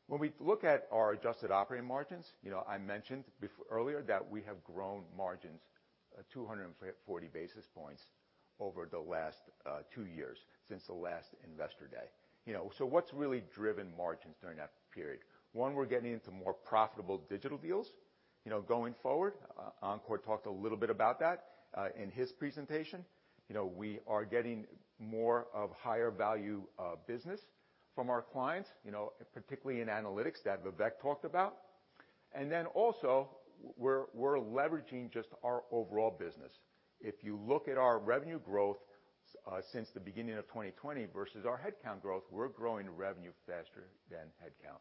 When we look at our adjusted operating margins, you know, I mentioned earlier that we have grown margins 240 basis points over the last two years since the last investor day. You know, what's really driven margins during that period? One, we're getting into more profitable digital deals. You know, going forward, Ankor talked a little bit about that in his presentation. You know, we are getting more of higher value business from our clients, you know, particularly in analytics that Vivek talked about. Then also we're leveraging just our overall business. If you look at our revenue growth since the beginning of 2020 versus our headcount growth, we're growing revenue faster than headcount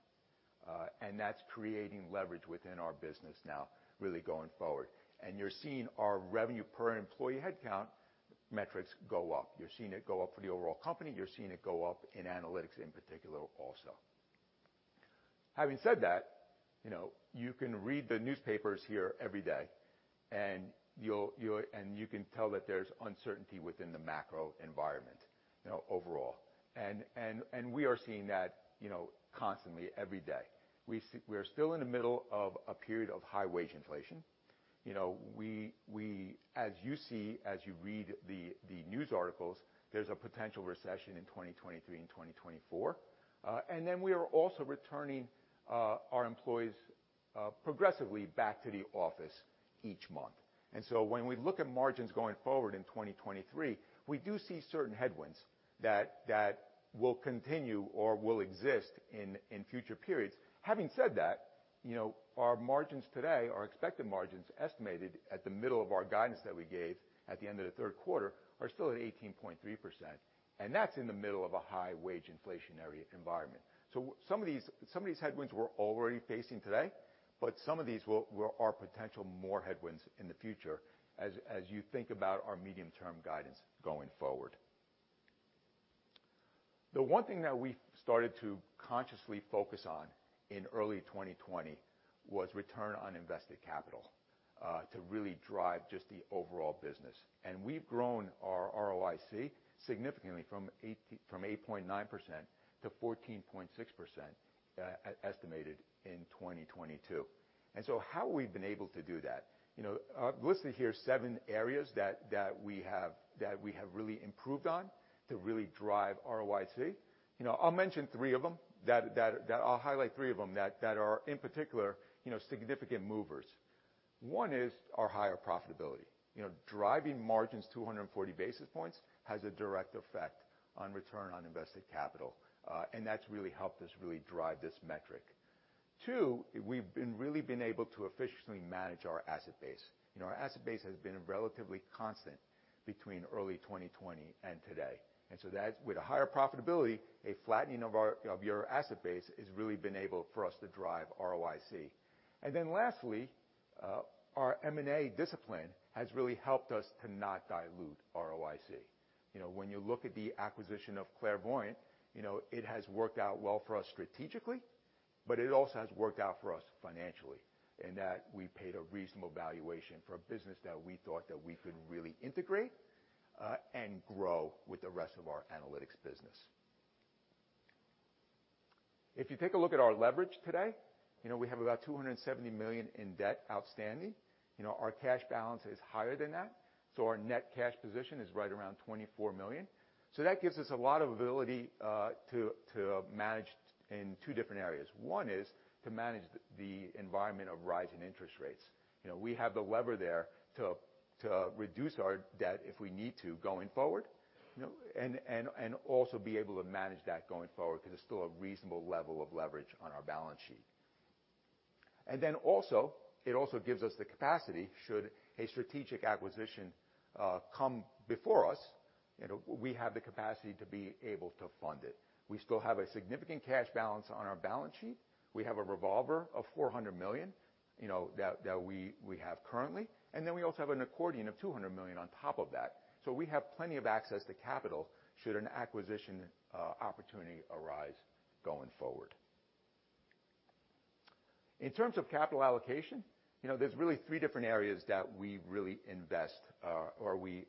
and that's creating leverage within our business now really going forward. You're seeing our revenue per employee headcount metrics go up. You're seeing it go up for the overall company. You're seeing it go up in analytics in particular also. Having said that, you know, you can read the newspapers here every day and you can tell that there's uncertainty within the macro environment, you know, overall. We are seeing that, you know, constantly every day. We are still in the middle of a period of high wage inflation. You know, as you see, as you read the news articles, there's a potential recession in 2023 and 2024. We are also returning our employees progressively back to the office each month. When we look at margins going forward in 2023, we do see certain headwinds that will continue or will exist in future periods. Having said that, you know, our margins today, our expected margins estimated at the middle of our guidance that we gave at the end of the third quarter, are still at 18.3%, and that's in the middle of a high wage inflationary environment. Some of these headwinds we're already facing today, but some of these are potential more headwinds in the future as you think about our medium-term guidance going forward. The one thing that we started to consciously focus on in early 2020 was return on invested capital to really drive just the overall business. We've grown our ROIC significantly from 8.9% to 14.6%, estimated in 2022. How we've been able to do that? You know, I've listed here seven areas that we have really improved on to really drive ROIC. You know, I'll highlight three of them that are in particular, you know, significant movers. One is our higher profitability. You know, driving margins 240 basis points has a direct effect on return on invested capital. That's really helped us really drive this metric. Two, we've really been able to efficiently manage our asset base. You know, our asset base has been relatively constant between early 2020 and today. That's with a higher profitability, a flattening of our asset base has really been able for us to drive ROIC. Then lastly, our M&A discipline has really helped us to not dilute ROIC. You know, when you look at the acquisition of Clairvoyant, you know, it has worked out well for us strategically, but it also has worked out for us financially in that we paid a reasonable valuation for a business that we thought that we could really integrate and grow with the rest of our analytics business. If you take a look at our leverage today, you know, we have about $270 million in debt outstanding. You know, our cash balance is higher than that, so our net cash position is right around $24 million. That gives us a lot of ability to manage in two different areas. One is to manage the environment of rising interest rates. You know, we have the leverage there to reduce our debt if we need to going forward, you know, and also be able to manage that going forward because it's still a reasonable level of leverage on our balance sheet. Then also, it also gives us the capacity should a strategic acquisition come before us, you know, we have the capacity to be able to fund it. We still have a significant cash balance on our balance sheet. We have a revolver of $400 million, you know, that we have currently, and then we also have an accordion of $200 million on top of that. We have plenty of access to capital should an acquisition opportunity arise going forward. In terms of capital allocation, you know, there's really three different areas that we really invest, or we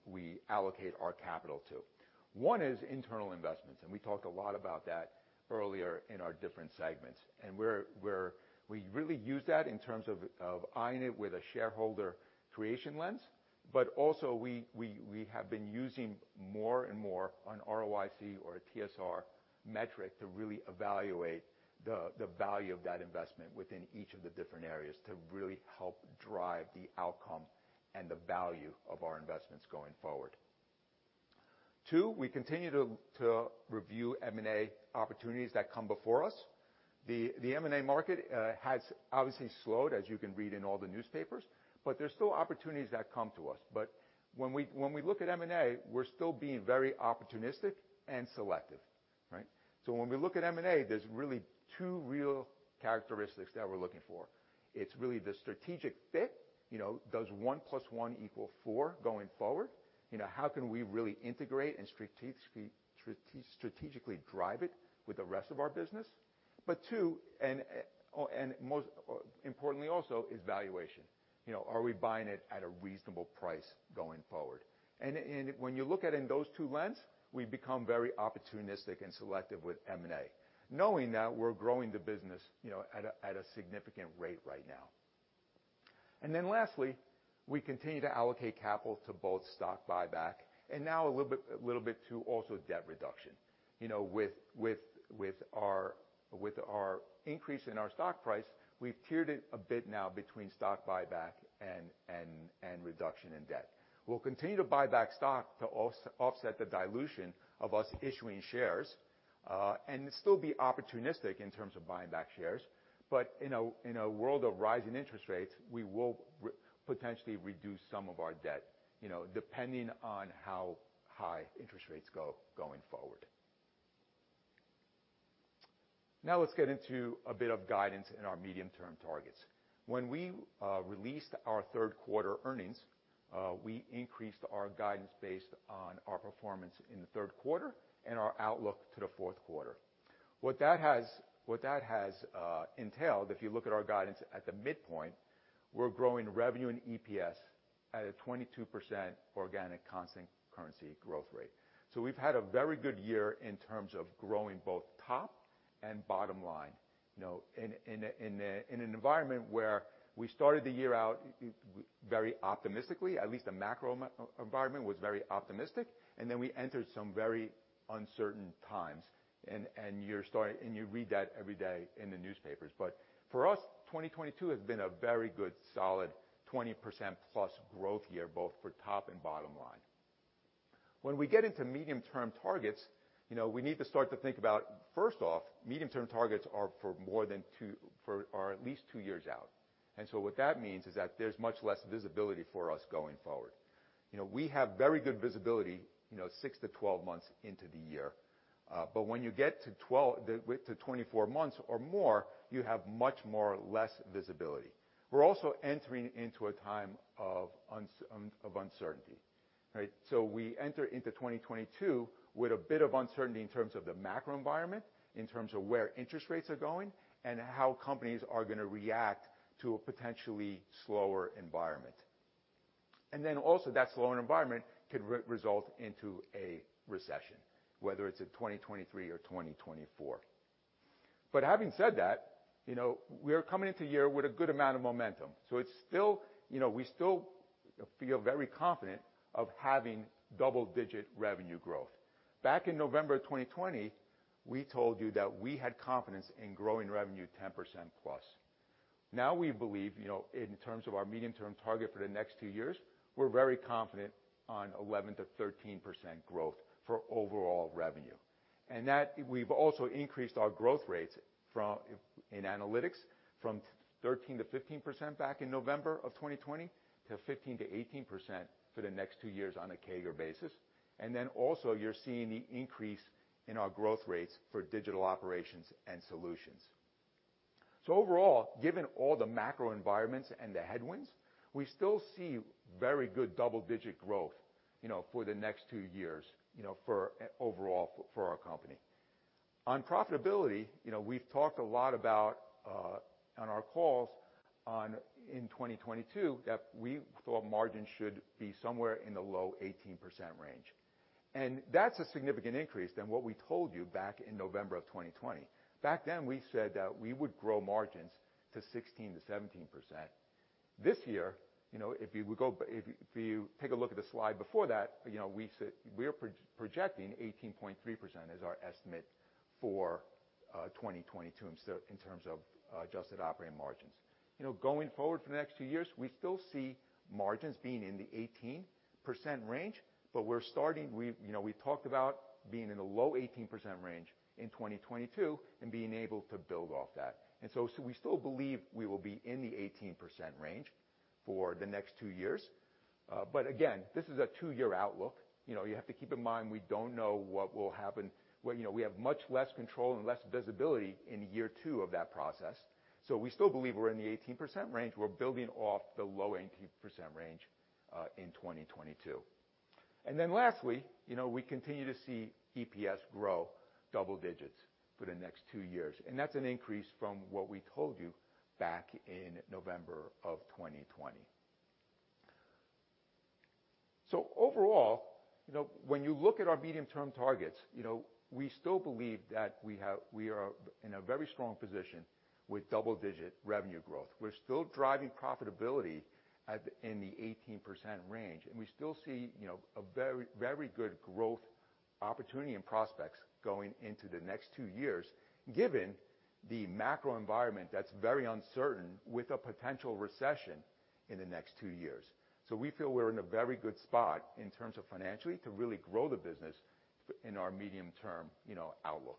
allocate our capital to. One is internal investments, and we talked a lot about that earlier in our different segments. We're really use that in terms of eyeing it with a shareholder creation lens. Also we have been using more and more on ROIC or TSR metric to really evaluate the value of that investment within each of the different areas to really help drive the outcome and the value of our investments going forward. Two, we continue to review M&A opportunities that come before us. The M&A market has obviously slowed, as you can read in all the newspapers, but there's still opportunities that come to us. When we look at M&A, we're still being very opportunistic and selective, right? When we look at M&A, there's really two real characteristics that we're looking for. It's really the strategic fit. You know, does one plus one equal four going forward? You know, how can we really integrate and strategically drive it with the rest of our business? Two, and most importantly also is valuation. You know, are we buying it at a reasonable price going forward? When you look at it in those two lenses, we become very opportunistic and selective with M&A, knowing that we're growing the business, you know, at a significant rate right now. Then lastly, we continue to allocate capital to both stock buyback and now a little bit to also debt reduction. You know, with our increase in our stock price, we've tiered it a bit now between stock buyback and reduction in debt. We'll continue to buy back stock to offset the dilution of us issuing shares, and still be opportunistic in terms of buying back shares. In a world of rising interest rates, we will potentially reduce some of our debt, you know, depending on how high interest rates go going forward. Now let's get into a bit of guidance in our medium-term targets. When we released our third quarter earnings, we increased our guidance based on our performance in the third quarter and our outlook to the fourth quarter. What that has entailed, if you look at our guidance at the midpoint, we're growing revenue and EPS at a 22% organic constant currency growth rate. We've had a very good year in terms of growing both top and bottom line, you know, in an environment where we started the year out very optimistically, at least the macro environment was very optimistic. We entered some very uncertain times and you read that every day in the newspapers. For us, 2022 has been a very good solid 20%+ growth year, both for top and bottom line. When we get into medium-term targets, you know, we need to start to think about, first off, medium-term targets are at least two years out. What that means is that there's much less visibility for us going forward. You know, we have very good visibility, you know, 6 to 12 months into the year. But when you get to 12 to 24 months or more, you have much more less visibility. We're also entering into a time of uncertainty. Right? We enter into 2022 with a bit of uncertainty in terms of the macro environment, in terms of where interest rates are going, and how companies are gonna react to a potentially slower environment. Then also, that slower environment could result into a recession, whether it's in 2023 or 2024. Having said that, you know, we are coming into the year with a good amount of momentum, so it's still, you know, we still feel very confident of having double-digit revenue growth. Back in November 2020, we told you that we had confidence in growing revenue 10%+. Now we believe, you know, in terms of our medium-term target for the next two years, we're very confident on 11%-13% growth for overall revenue. That, we've also increased our growth rates in analytics from 13%-15% back in November 2020 to 15%-18% for the next two years on a CAGR basis. Also, you're seeing the increase in our growth rates Digital Operations and Solutions. overall, given all the macro environments and the headwinds, we still see very good double-digit growth, you know, for the next two years, you know, for overall for our company. On profitability, you know, we've talked a lot about on our calls in 2022 that we thought margins should be somewhere in the low 18% range. That's a significant increase than what we told you back in November of 2020. Back then, we said that we would grow margins to 16%-17%. This year, you know, if you take a look at the slide before that, you know, we said we are projecting 18.3% as our estimate for 2022, so in terms of adjusted operating margins. You know, going forward for the next two years, we still see margins being in the 18% range, but we're starting, you know, we talked about being in the low 18% range in 2022 and being able to build off that. We still believe we will be in the 18% range for the next two years. Again, this is a two-year outlook. You know, you have to keep in mind we don't know what will happen. We, you know, have much less control and less visibility in year two of that process. We still believe we're in the 18% range. We're building off the low 18% range in 2022. Lastly, you know, we continue to see EPS grow double digits for the next two years, and that's an increase from what we told you back in November of 2020. Overall, you know, when you look at our medium-term targets, you know, we still believe that we are in a very strong position with double-digit revenue growth. We're still driving profitability at, in the 18% range, and we still see, you know, a very, very good growth opportunity and prospects going into the next two years given the macro environment that's very uncertain with a potential recession in the next two years. We feel we're in a very good spot in terms of financially to really grow the business in our medium-term, you know, outlook.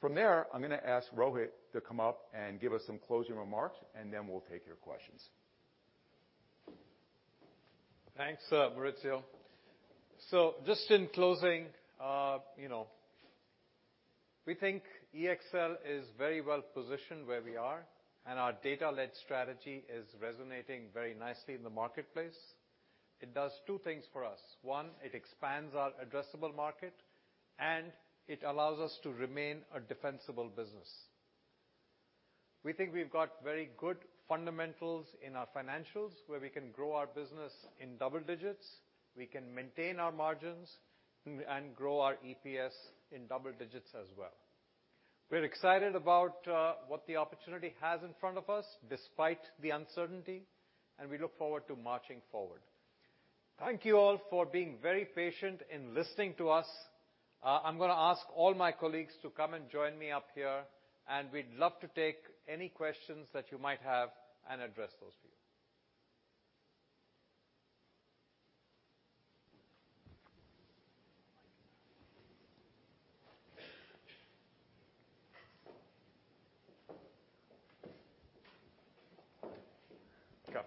From there, I'm gonna ask Rohit to come up and give us some closing remarks, and then we'll take your questions. Thanks, Maurizio. Just in closing, you know, we think EXL is very well positioned where we are, and our data-led strategy is resonating very nicely in the marketplace. It does two things for us. One, it expands our addressable market, and it allows us to remain a defensible business. We think we've got very good fundamentals in our financials, where we can grow our business in double digits, we can maintain our margins and grow our EPS in double digits as well. We're excited about what the opportunity has in front of us despite the uncertainty, and we look forward to marching forward. Thank you all for being very patient in listening to us. I'm gonna ask all my colleagues to come and join me up here, and we'd love to take any questions that you might have and address those for you. Come.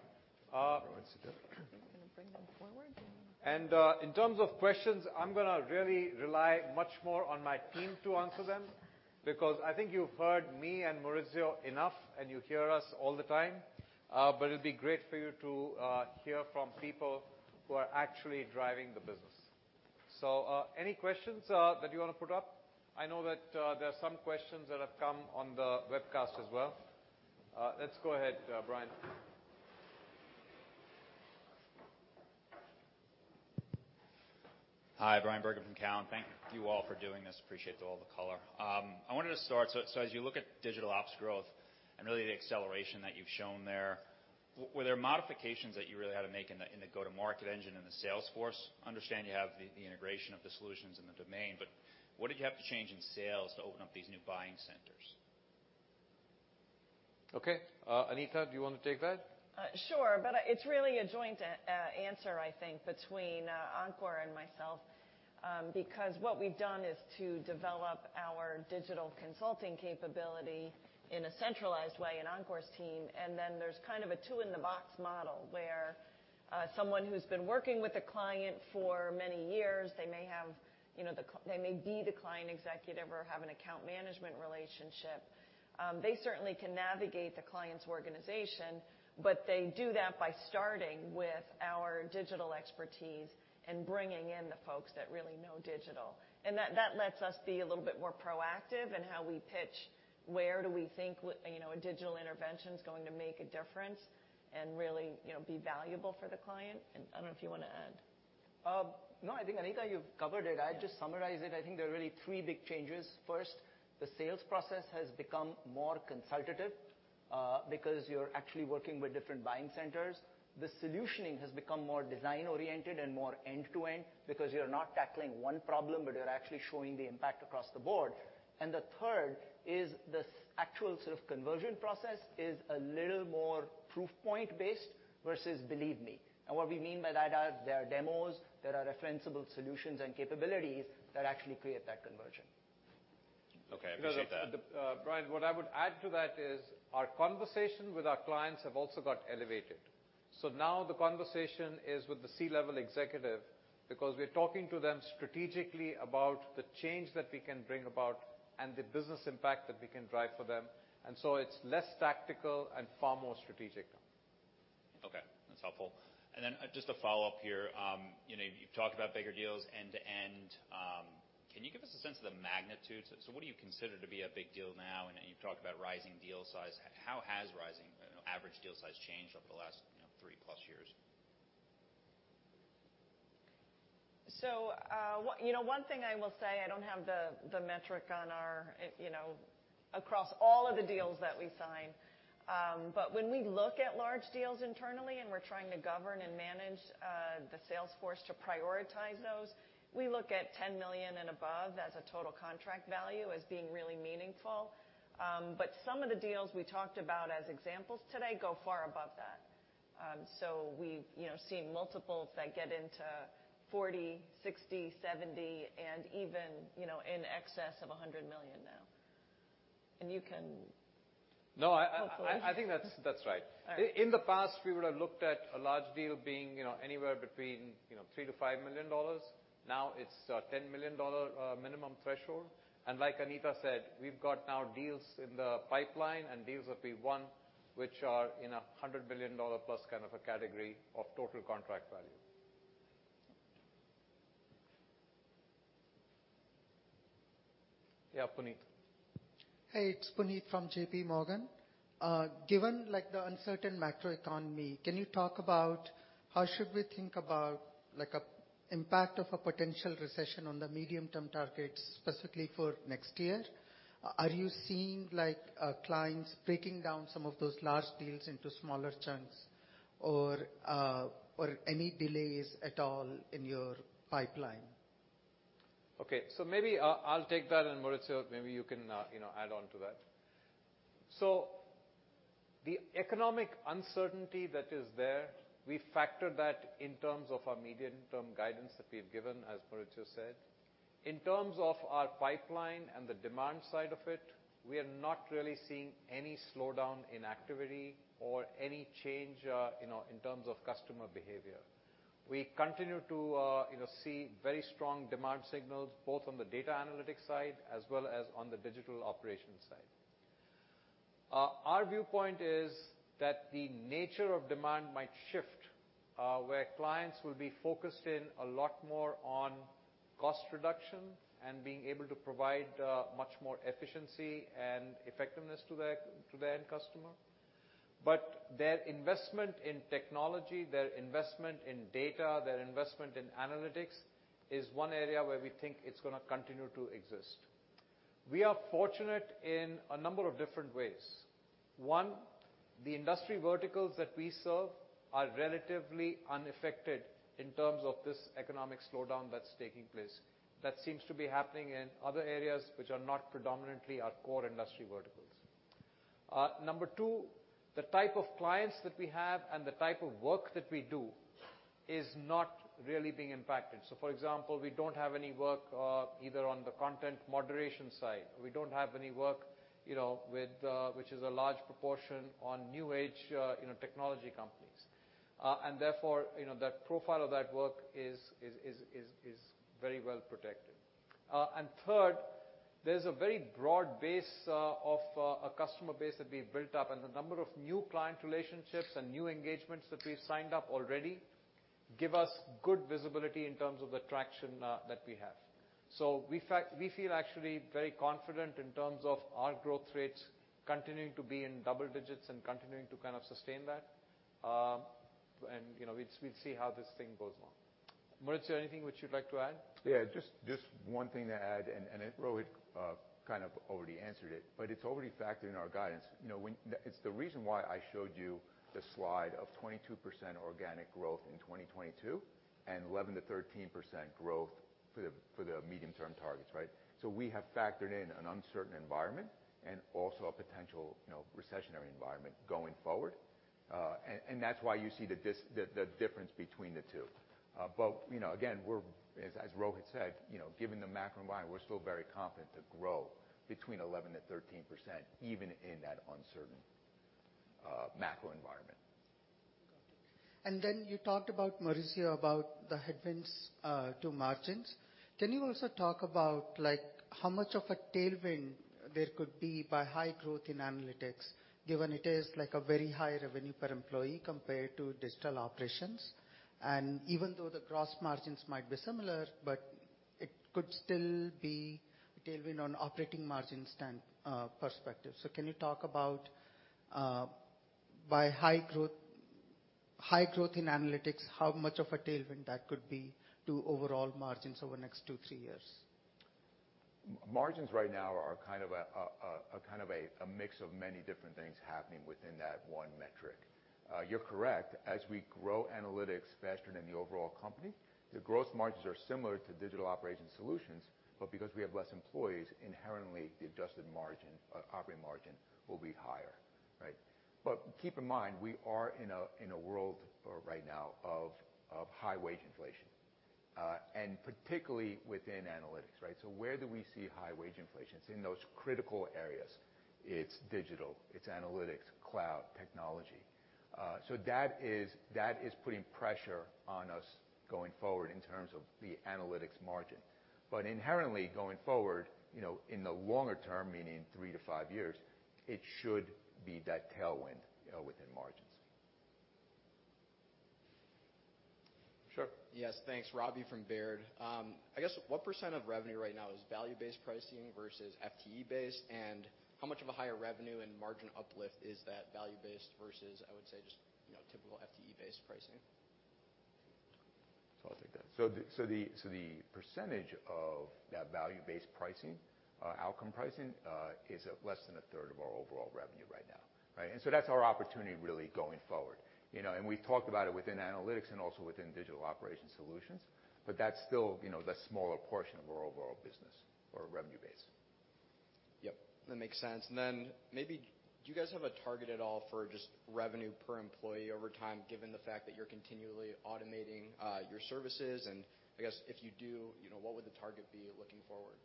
Uh- You want to sit down? I'm just gonna bring them forward. In terms of questions, I'm gonna really rely much more on my team to answer them because I think you've heard me and Maurizio enough, and you hear us all the time. It'll be great for you to hear from people who are actually driving the business. Any questions that you want to put up? I know that there are some questions that have come on the webcast as well. Let's go ahead, Bryan. Hi, Bryan Bergin from Cowen. Thank you all for doing this. Appreciate all the color. I wanted to start, so as you look at digital ops growth and really the acceleration that you've shown there, were there modifications that you really had to make in the, in the go-to-market engine and the sales force? Understand you have the integration of the solutions in the domain, but what did you have to change in sales to open up these new buying centers? Okay. Anita, do you wanna take that? Sure, it's really a joint answer, I think, between Ankor and myself. Because what we've done is to develop our digital consulting capability in a centralized way in Ankor's team, then there's kind of a two-in-the-box model, where someone who's been working with a client for many years, they may have, you know, they may be the client executive or have an account management relationship. They certainly can navigate the client's organization, but they do that by starting with our digital expertise and bringing in the folks that really know digital. That lets us be a little bit more proactive in how we pitch, where do we think you know, a digital intervention's going to make a difference and really, you know, be valuable for the client? I don't know if you wanna add. No, I think, Anita, you've covered it. I'll just summarize it. I think there are really three big changes. First, the sales process has become more consultative, because you're actually working with different buying centers. The solutioning has become more design-oriented and more end-to-end because you're not tackling one problem, but you're actually showing the impact across the board. The third is the actual sort of conversion process is a little more proof-point based versus believe me. What we mean by that are there are demos, there are referenceable solutions and capabilities that actually create that conversion. Okay. Appreciate that. Bryan, what I would add to that is our conversation with our clients have also got elevated. Now the conversation is with the C-level executive because we're talking to them strategically about the change that we can bring about and the business impact that we can drive for them. It's less tactical and far more strategic. Okay, that's helpful. Just a follow-up here. You know, you've talked about bigger deals end-to-end. Can you give us a sense of the magnitude? What do you consider to be a big deal now? You've talked about rising deal size. How has rising, you know, average deal size changed over the last, you know, three-plus years? You know, one thing I will say, I don't have the metric on our, you know, across all of the deals that we sign. But when we look at large deals internally and we're trying to govern and manage the sales force to prioritize those. We look at $10 million and above as a total contract value as being really meaningful. But some of the deals we talked about as examples today go far above that. So we've, you know, seen multiples that get into $40 million, $60 million, $70 million, and even, you know, in excess of $100 million now. No, I. Hopefully. I think that's right. All right. In the past, we would've looked at a large deal being, you know, anywhere between, you know, $3 million-$5 million. Now it's $10 million minimum threshold. Like Anita said, we've got now deals in the pipeline and deals that we've won which are in a $100 million-plus kind of a category of total contract value. Yeah, Puneet. Hey, it's Puneet from JPMorgan. Given like the uncertain macroeconomy, can you talk about how should we think about like an impact of a potential recession on the medium-term targets, specifically for next year? Are you seeing like, clients breaking down some of those large deals into smaller chunks or any delays at all in your pipeline? Okay. Maybe I'll take that, and Maurizio, maybe you can, you know, add on to that. The economic uncertainty that is there, we factor that in terms of our medium-term guidance that we've given, as Maurizio said. In terms of our pipeline and the demand side of it, we are not really seeing any slowdown in activity or any change, you know, in terms of customer behavior. We continue to, you know, see very strong demand signals both on the data analytics side as well as on the Digital Operations side. Our viewpoint is that the nature of demand might shift, where clients will be focused in a lot more on cost reduction and being able to provide much more efficiency and effectiveness to their end customer. Their investment in technology, their investment in data, their investment in analytics is one area where we think it's gonna continue to exist. We are fortunate in a number of different ways. One, the industry verticals that we serve are relatively unaffected in terms of this economic slowdown that's taking place. That seems to be happening in other areas which are not predominantly our core industry verticals. Number two, the type of clients that we have and the type of work that we do is not really being impacted. For example, we don't have any work, either on the content moderation side. We don't have any work, you know, with, which is a large proportion on new age, you know, technology companies. Therefore, you know, the profile of that work is very well protected. Third, there's a very broad base of a customer base that we've built up, and the number of new client relationships and new engagements that we've signed up already give us good visibility in terms of the traction that we have. We feel actually very confident in terms of our growth rates continuing to be in double digits and continuing to kind of sustain that. You know, we'll see how this thing goes on. Maurizio, anything which you'd like to add? Yeah, just one thing to add, and Rohit kind of already answered it, but it's already factored in our guidance. You know, it's the reason why I showed you the slide of 22% organic growth in 2022 and 11%-13% growth for the medium-term targets, right? We have factored in an uncertain environment and also a potential, you know, recessionary environment going forward. That's why you see the difference between the two. You know, again, we're, as Rohit said, you know, given the macro environment, we're still very confident to grow between 11% and 13%, even in that uncertain macro environment. You talked about, Maurizio, about the headwinds to margins. Can you also talk about, like, how much of a tailwind there could be by high growth in analytics, given it is like a very high revenue per employee compared to Digital Operations? Even though the gross margins might be similar, but it could still be a tailwind on operating margins perspective. Can you talk about By high growth in analytics, how much of a tailwind that could be to overall margins over the next 2, 3 years? Margins right now are kind of a mix of many different things happening within that one metric. You're correct. As we grow analytics faster than the overall company, the growth margins are similar to Digital Operations solutions, but because we have less employees, inherently, the adjusted margin, operating margin will be higher, right? Keep in mind, we are in a world right now of high wage inflation, and particularly within analytics, right? Where do we see high wage inflation? It's in those critical areas. It's digital, it's analytics, cloud, technology. So that is putting pressure on us going forward in terms of the analytics margin. Inherently going forward, you know, in the longer term, meaning three to five years, it should be that tailwind, you know, within margins. Sure. Yes. Thanks. Robert from Baird. I guess what percent of revenue right now is value-based pricing versus FTE-based, and how much of a higher revenue and margin uplift is that value-based versus, I would say, just, you know, typical FTE-based pricing? I'll take that. The percentage of that value-based pricing, outcome pricing, is less than one-third of our overall revenue right now, right? That's our opportunity really going forward, you know. We talked about it within analytics and also within Digital Operations Solutions, but that's still, you know, the smaller portion of our overall business or revenue base. Yep, that makes sense. Maybe do you guys have a target at all for just revenue per employee over time, given the fact that you're continually automating, your services? I guess if you do, you know, what would the target be looking forward?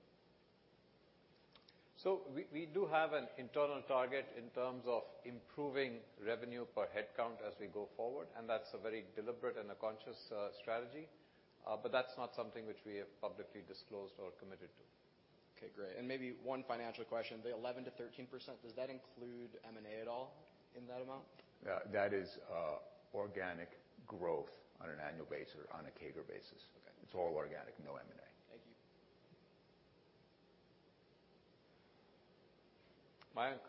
We do have an internal target in terms of improving revenue per headcount as we go forward, and that's a very deliberate and a conscious strategy. That's not something which we have publicly disclosed or committed to. Okay, great. Maybe one financial question. The 11%-13%, does that include M&A at all in that amount? Yeah, that is, organic growth on an annual basis, on a CAGR basis. Okay. It's all organic. No M&A. Thank you. Mayank.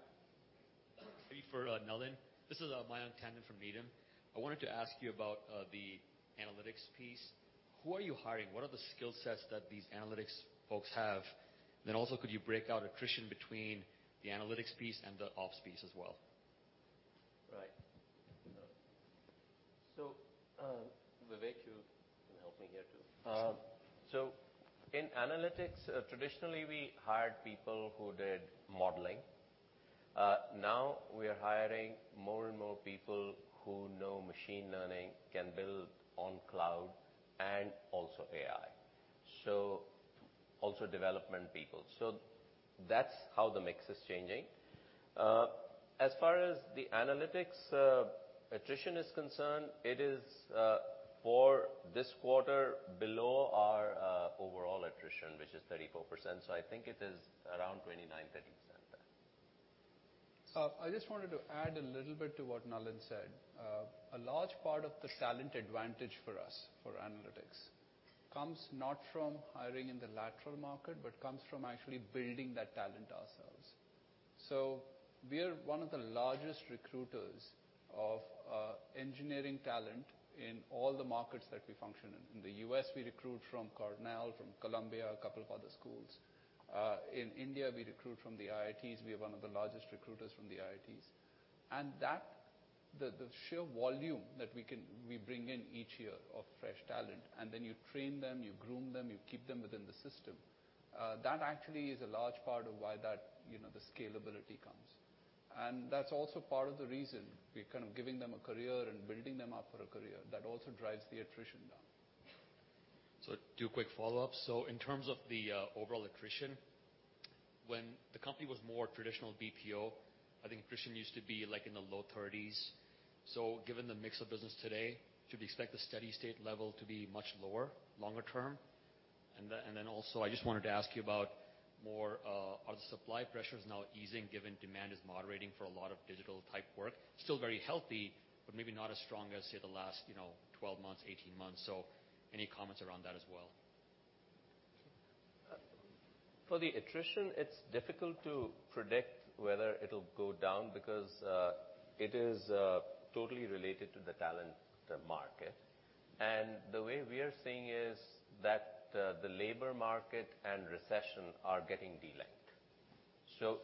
Maybe for Nalin. This is Mayank Tandon from Needham & Company. I wanted to ask you about the analytics piece. Who are you hiring? What are the skill sets that these analytics folks have? Also could you break out attrition between the analytics piece and the ops piece as well? Right. Vivek, you can help me here too. Sure. In analytics, traditionally, we hired people who did modeling. Now we are hiring more and more people who know Machine Learning, can build on cloud and also AI, so also development people. That's how the mix is changing. As far as the analytics attrition is concerned, it is for this quarter below our overall attrition, which is 34%. I think it is around 29%-30%. I just wanted to add a little bit to what Nalin said. A large part of the talent advantage for us for analytics comes not from hiring in the lateral market, but comes from actually building that talent ourselves. We are one of the largest recruiters of engineering talent in all the markets that we function in. In the U.S., we recruit from Cornell, from Columbia, a couple of other schools. In India, we recruit from the IITs. We are one of the largest recruiters from the IITs. The sheer volume that we bring in each year of fresh talent, and then you train them, you groom them, you keep them within the system, that actually is a large part of why that, you know, the scalability comes. That's also part of the reason we're kind of giving them a career and building them up for a career. That also drives the attrition down. Two quick follow-ups. In terms of the overall attrition, when the company was more traditional BPO, I think attrition used to be like in the low thirties. Given the mix of business today, should we expect the steady-state level to be much lower longer term? And then also, I just wanted to ask you about more, are the supply pressures now easing given demand is moderating for a lot of digital type work? Still very healthy, but maybe not as strong as say the last, you know, 12 months, 18 months. Any comments around that as well? For the attrition, it's difficult to predict whether it'll go down because it is totally related to the talent market. The way we are seeing is that the labor market and recession are getting delinked.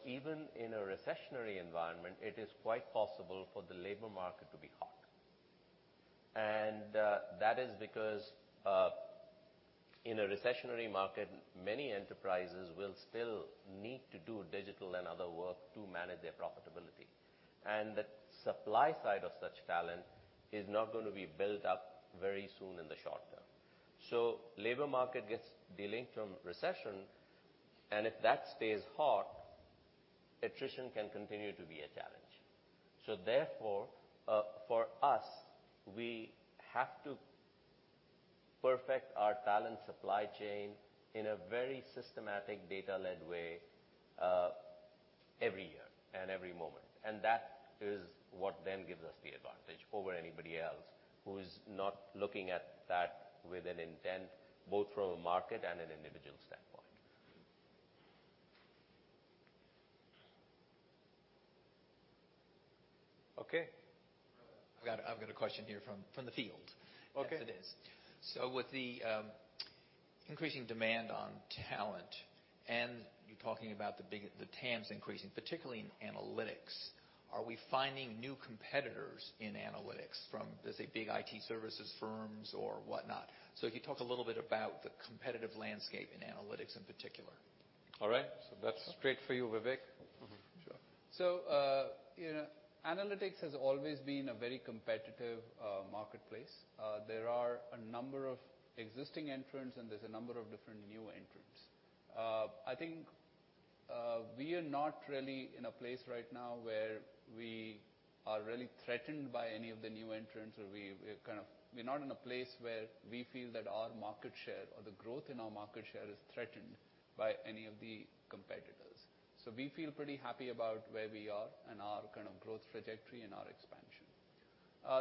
Even in a recessionary environment, it is quite possible for the labor market to be hot. That is because in a recessionary market, many enterprises will still need to do digital and other work to manage their profitability. The supply side of such talent is not gonna be built up very soon in the short term. Labor market gets delinked from recession, and if that stays hot, attrition can continue to be a challenge. For us, we have to perfect our talent supply chain in a very systematic data-led way, every year and every moment. That is what then gives us the advantage over anybody else who is not looking at that with an intent, both from a market and an individual standpoint. Okay. I've got a question here from the field. Okay. Yes, it is. With the increasing demand on talent, and you talking about the TAMs increasing, particularly in analytics, are we finding new competitors in analytics from, let's say, big IT services firms or whatnot? If you talk a little bit about the competitive landscape in analytics in particular. All right. That's great for you, Vivek. Sure. You know, analytics has always been a very competitive marketplace. There are a number of existing entrants, and there's a number of different new entrants. I think we are not really in a place right now where we are really threatened by any of the new entrants. We're not in a place where we feel that our market share or the growth in our market share is threatened by any of the competitors. We feel pretty happy about where we are and our kind of growth trajectory and our expansion.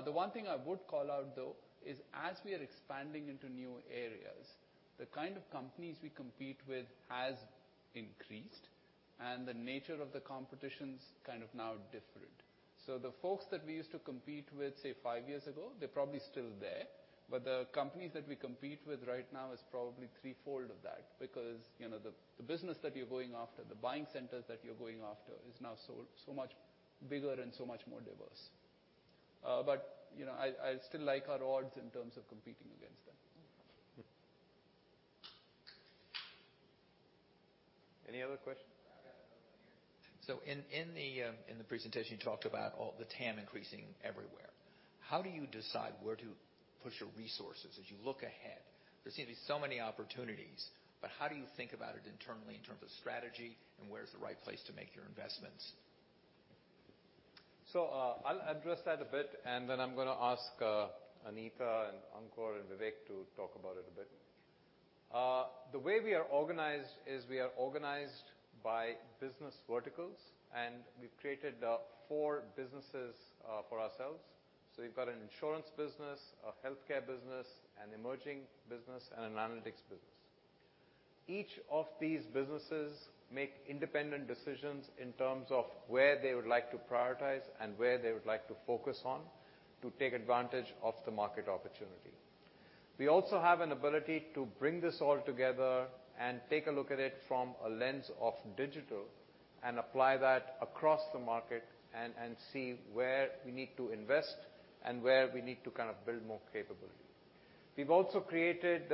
The one thing I would call out, though, is as we are expanding into new areas, the kind of companies we compete with has increased, and the nature of the competition's kind of now different. The folks that we used to compete with, say, five years ago, they're probably still there, but the companies that we compete with right now is probably threefold of that because, you know, the business that you're going after, the buying centers that you're going after is now so much bigger and so much more diverse. You know, I still like our odds in terms of competing against them. Any other questions? In the presentation, you talked about all the TAM increasing everywhere. How do you decide where to push your resources as you look ahead? There seem to be so many opportunities, but how do you think about it internally in terms of strategy, and where's the right place to make your investments? I'll address that a bit, and then I'm gonna ask Anita and Ankor and Vivek to talk about it a bit. The way we are organized is we are organized by business verticals, and we've created four businesses for ourselves. We've got an Insurance business, a Healthcare business, an emerging business, and an analytics business. Each of these businesses make independent decisions in terms of where they would like to prioritize and where they would like to focus on to take advantage of the market opportunity. We also have an ability to bring this all together and take a look at it from a lens of digital and apply that across the market and see where we need to invest and where we need to kind of build more capability. We've also created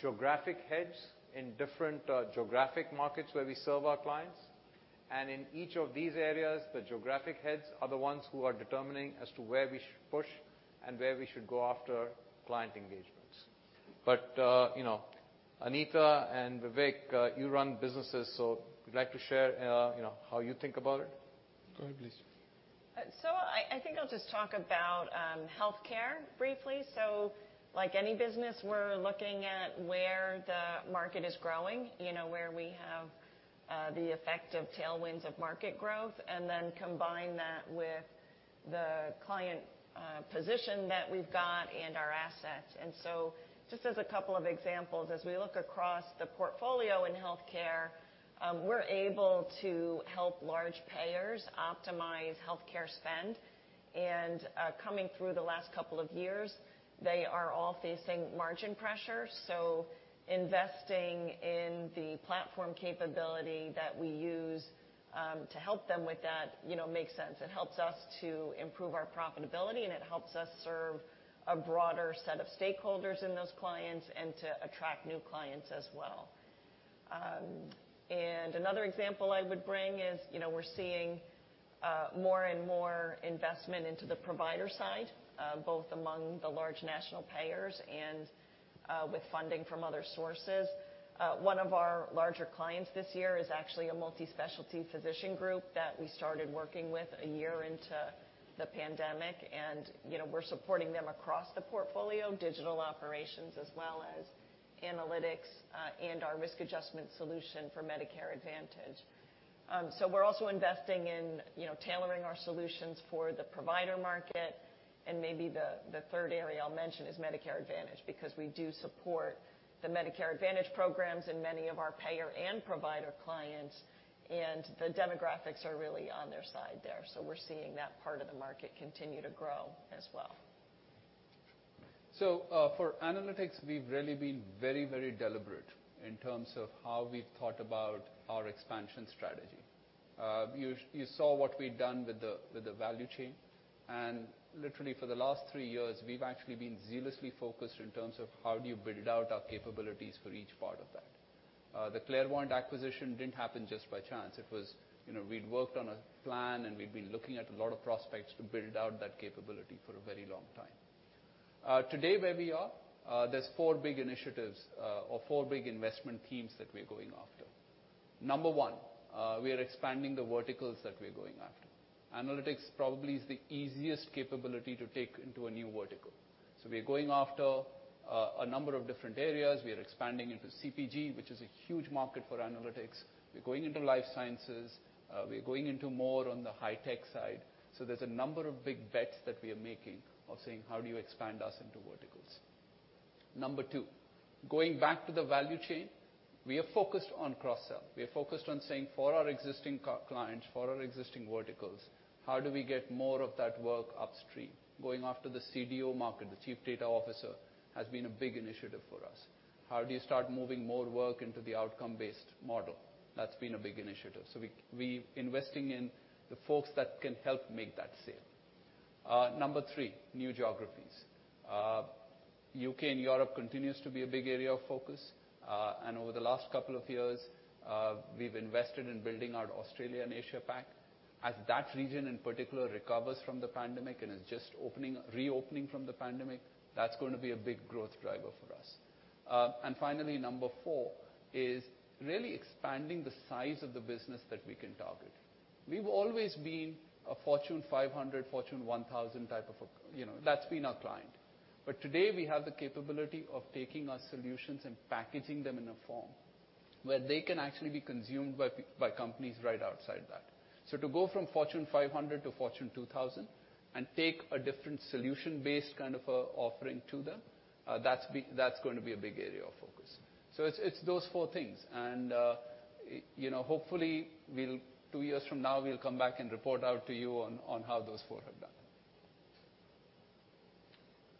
geographic heads in different geographic markets where we serve our clients. In each of these areas, the geographic heads are the ones who are determining as to where we should push and where we should go after client engagements. You know, Anita and Vivek, you run businesses, so would you like to share, you know, how you think about it? Go ahead, please. I think I'll just talk about Healthcare briefly. Like any business, we're looking at where the market is growing, you know, where we have the effect of tailwinds of market growth, and then combine that with the client position that we've got and our assets. Just as a couple of examples, as we look across the portfolio in Healthcare, we're able to help large payers optimize Healthcare spend. Coming through the last couple of years, they are all facing margin pressure. Investing in the platform capability that we use to help them with that, you know, makes sense. It helps us to improve our profitability, and it helps us serve a broader set of stakeholders in those clients and to attract new clients as well. Another example I would bring is, you know, we're seeing more and more investment into the provider side, both among the large national payers and with funding from other sources. One of our larger clients this year is actually a multi-specialty physician group that we started working with a year into the pandemic. We're supporting them across the portfolio, Digital Operations, as well as analytics, and our risk adjustment solution for Medicare Advantage. We're also investing in, you know, tailoring our solutions for the provider market. Maybe the third area I'll mention is Medicare Advantage, because we do support the Medicare Advantage programs in many of our payer and provider clients, and the demographics are really on their side there. We're seeing that part of the market continue to grow as well. For analytics, we've really been very, very deliberate in terms of how we've thought about our expansion strategy. You saw what we'd done with the value chain. Literally, for the last three years, we've actually been zealously focused in terms of how do you build out our capabilities for each part of that. The Clairvoyant acquisition didn't happen just by chance. It was. You know, we'd worked on a plan, and we'd been looking at a lot of prospects to build out that capability for a very long time. Today, where we are, there are four big initiatives or four big investment themes that we're going after. Number one, we are expanding the verticals that we're going after. Analytics probably is the easiest capability to take into a new vertical. We are going after a number of different areas. We are expanding into CPG, which is a huge market for analytics. We're going into life sciences. We are going into more on the high tech side. There's a number of big bets that we are making of saying, "How do you expand us into verticals?" Number two, going back to the value chain, we are focused on cross-sell. We are focused on saying for our existing clients, for our existing verticals, how do we get more of that work upstream? Going after the CDO market, the Chief Data Officer, has been a big initiative for us. How do you start moving more work into the outcome-based model? That's been a big initiative. We investing in the folks that can help make that sale. Number three, new geographies. UK and Europe continues to be a big area of focus. Over the last couple of years, we've invested in building out Australia and Asia-Pac. As that region in particular recovers from the pandemic and is just reopening from the pandemic, that's going to be a big growth driver for us. Finally, number 4 is really expanding the size of the business that we can target. We've always been a Fortune 500, Fortune 1000 type. You know, that's been our client. Today we have the capability of taking our solutions and packaging them in a form where they can actually be consumed by companies right outside that. To go from Fortune 500 to Fortune 2000 and take a different solution-based kind of a offering to them, that's going to be a big area of focus. It's those four things. You know, hopefully we'll, two years from now, come back and report out to you on how those four have done.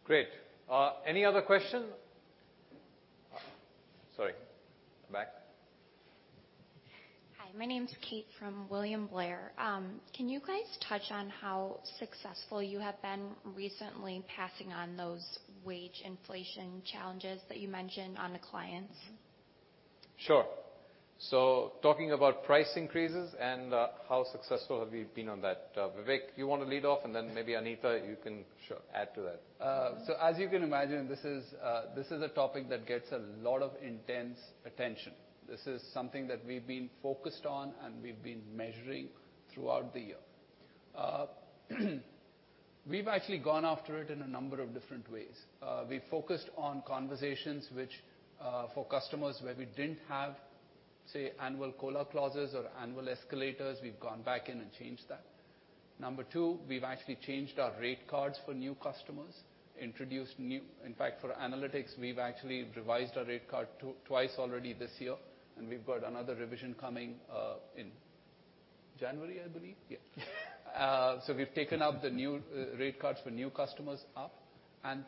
Great. Any other question? Sorry. Back. Hi, my name's Kate from William Blair. Can you guys touch on how successful you have been recently passing on those wage inflation challenges that you mentioned on the clients? Sure. Talking about price increases and, how successful have we been on that? Vivek, you wanna lead off, and then maybe, Anita, you can- Sure. Add to that. As you can imagine, this is a topic that gets a lot of intense attention. This is something that we've been focused on and we've been measuring throughout the year. We've actually gone after it in a number of different ways. We've focused on conversations which, for customers where we didn't have, say, annual COLA clauses or annual escalators, we've gone back in and changed that. Number two, we've actually changed our rate cards for new customers. In fact, for analytics, we've actually revised our rate card twice already this year, and we've got another revision coming in January, I believe. Yeah. We've taken up the new rate cards for new customers up.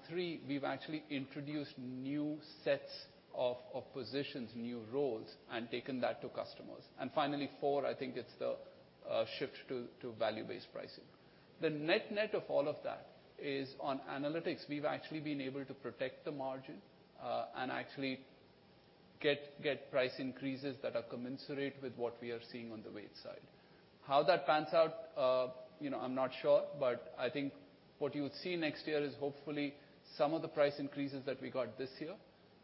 Three, we've actually introduced new sets of positions, new roles, and taken that to customers. Finally, four, I think it's the shift to value-based pricing. The net-net of all of that is on analytics, we've actually been able to protect the margin, and actually get price increases that are commensurate with what we are seeing on the wage side. How that pans out, you know, I'm not sure. I think what you would see next year is hopefully some of the price increases that we got this year,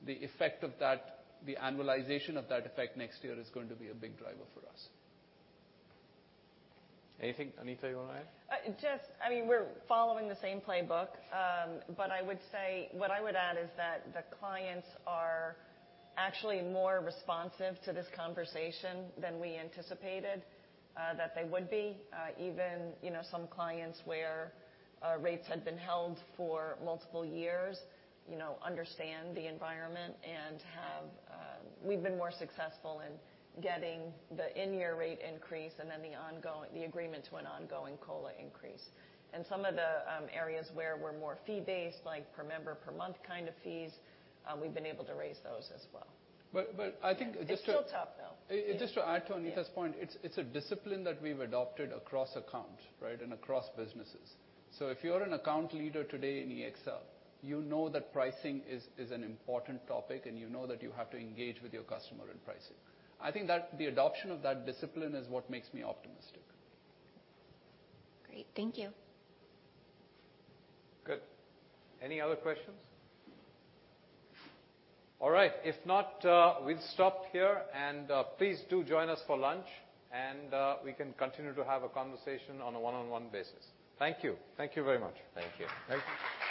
the effect of that, the annualization of that effect next year is going to be a big driver for us. Anything, Anita, you wanna add? I mean, we're following the same playbook. I would say, what I would add is that the clients are actually more responsive to this conversation than we anticipated, that they would be. Even, you know, some clients where rates had been held for multiple years, you know, understand the environment and have. We've been more successful in getting the in-year rate increase and then the ongoing, the agreement to an ongoing COLA increase. In some of the areas where we're more fee-based, like per member per month kind of fees, we've been able to raise those as well. I think it's still tough, though. Just to add to Anita's point, it's a discipline that we've adopted across accounts, right? And across businesses. If you're an account Leader today in EXL, you know that pricing is an important topic and you know that you have to engage with your customer in pricing. I think that the adoption of that discipline is what makes me optimistic. Great. Thank you. Good. Any other questions? All right. If not, we'll stop here and, please do join us for lunch and, we can continue to have a conversation on a one-on-one basis. Thank you. Thank you very much. Thank you. Thank you.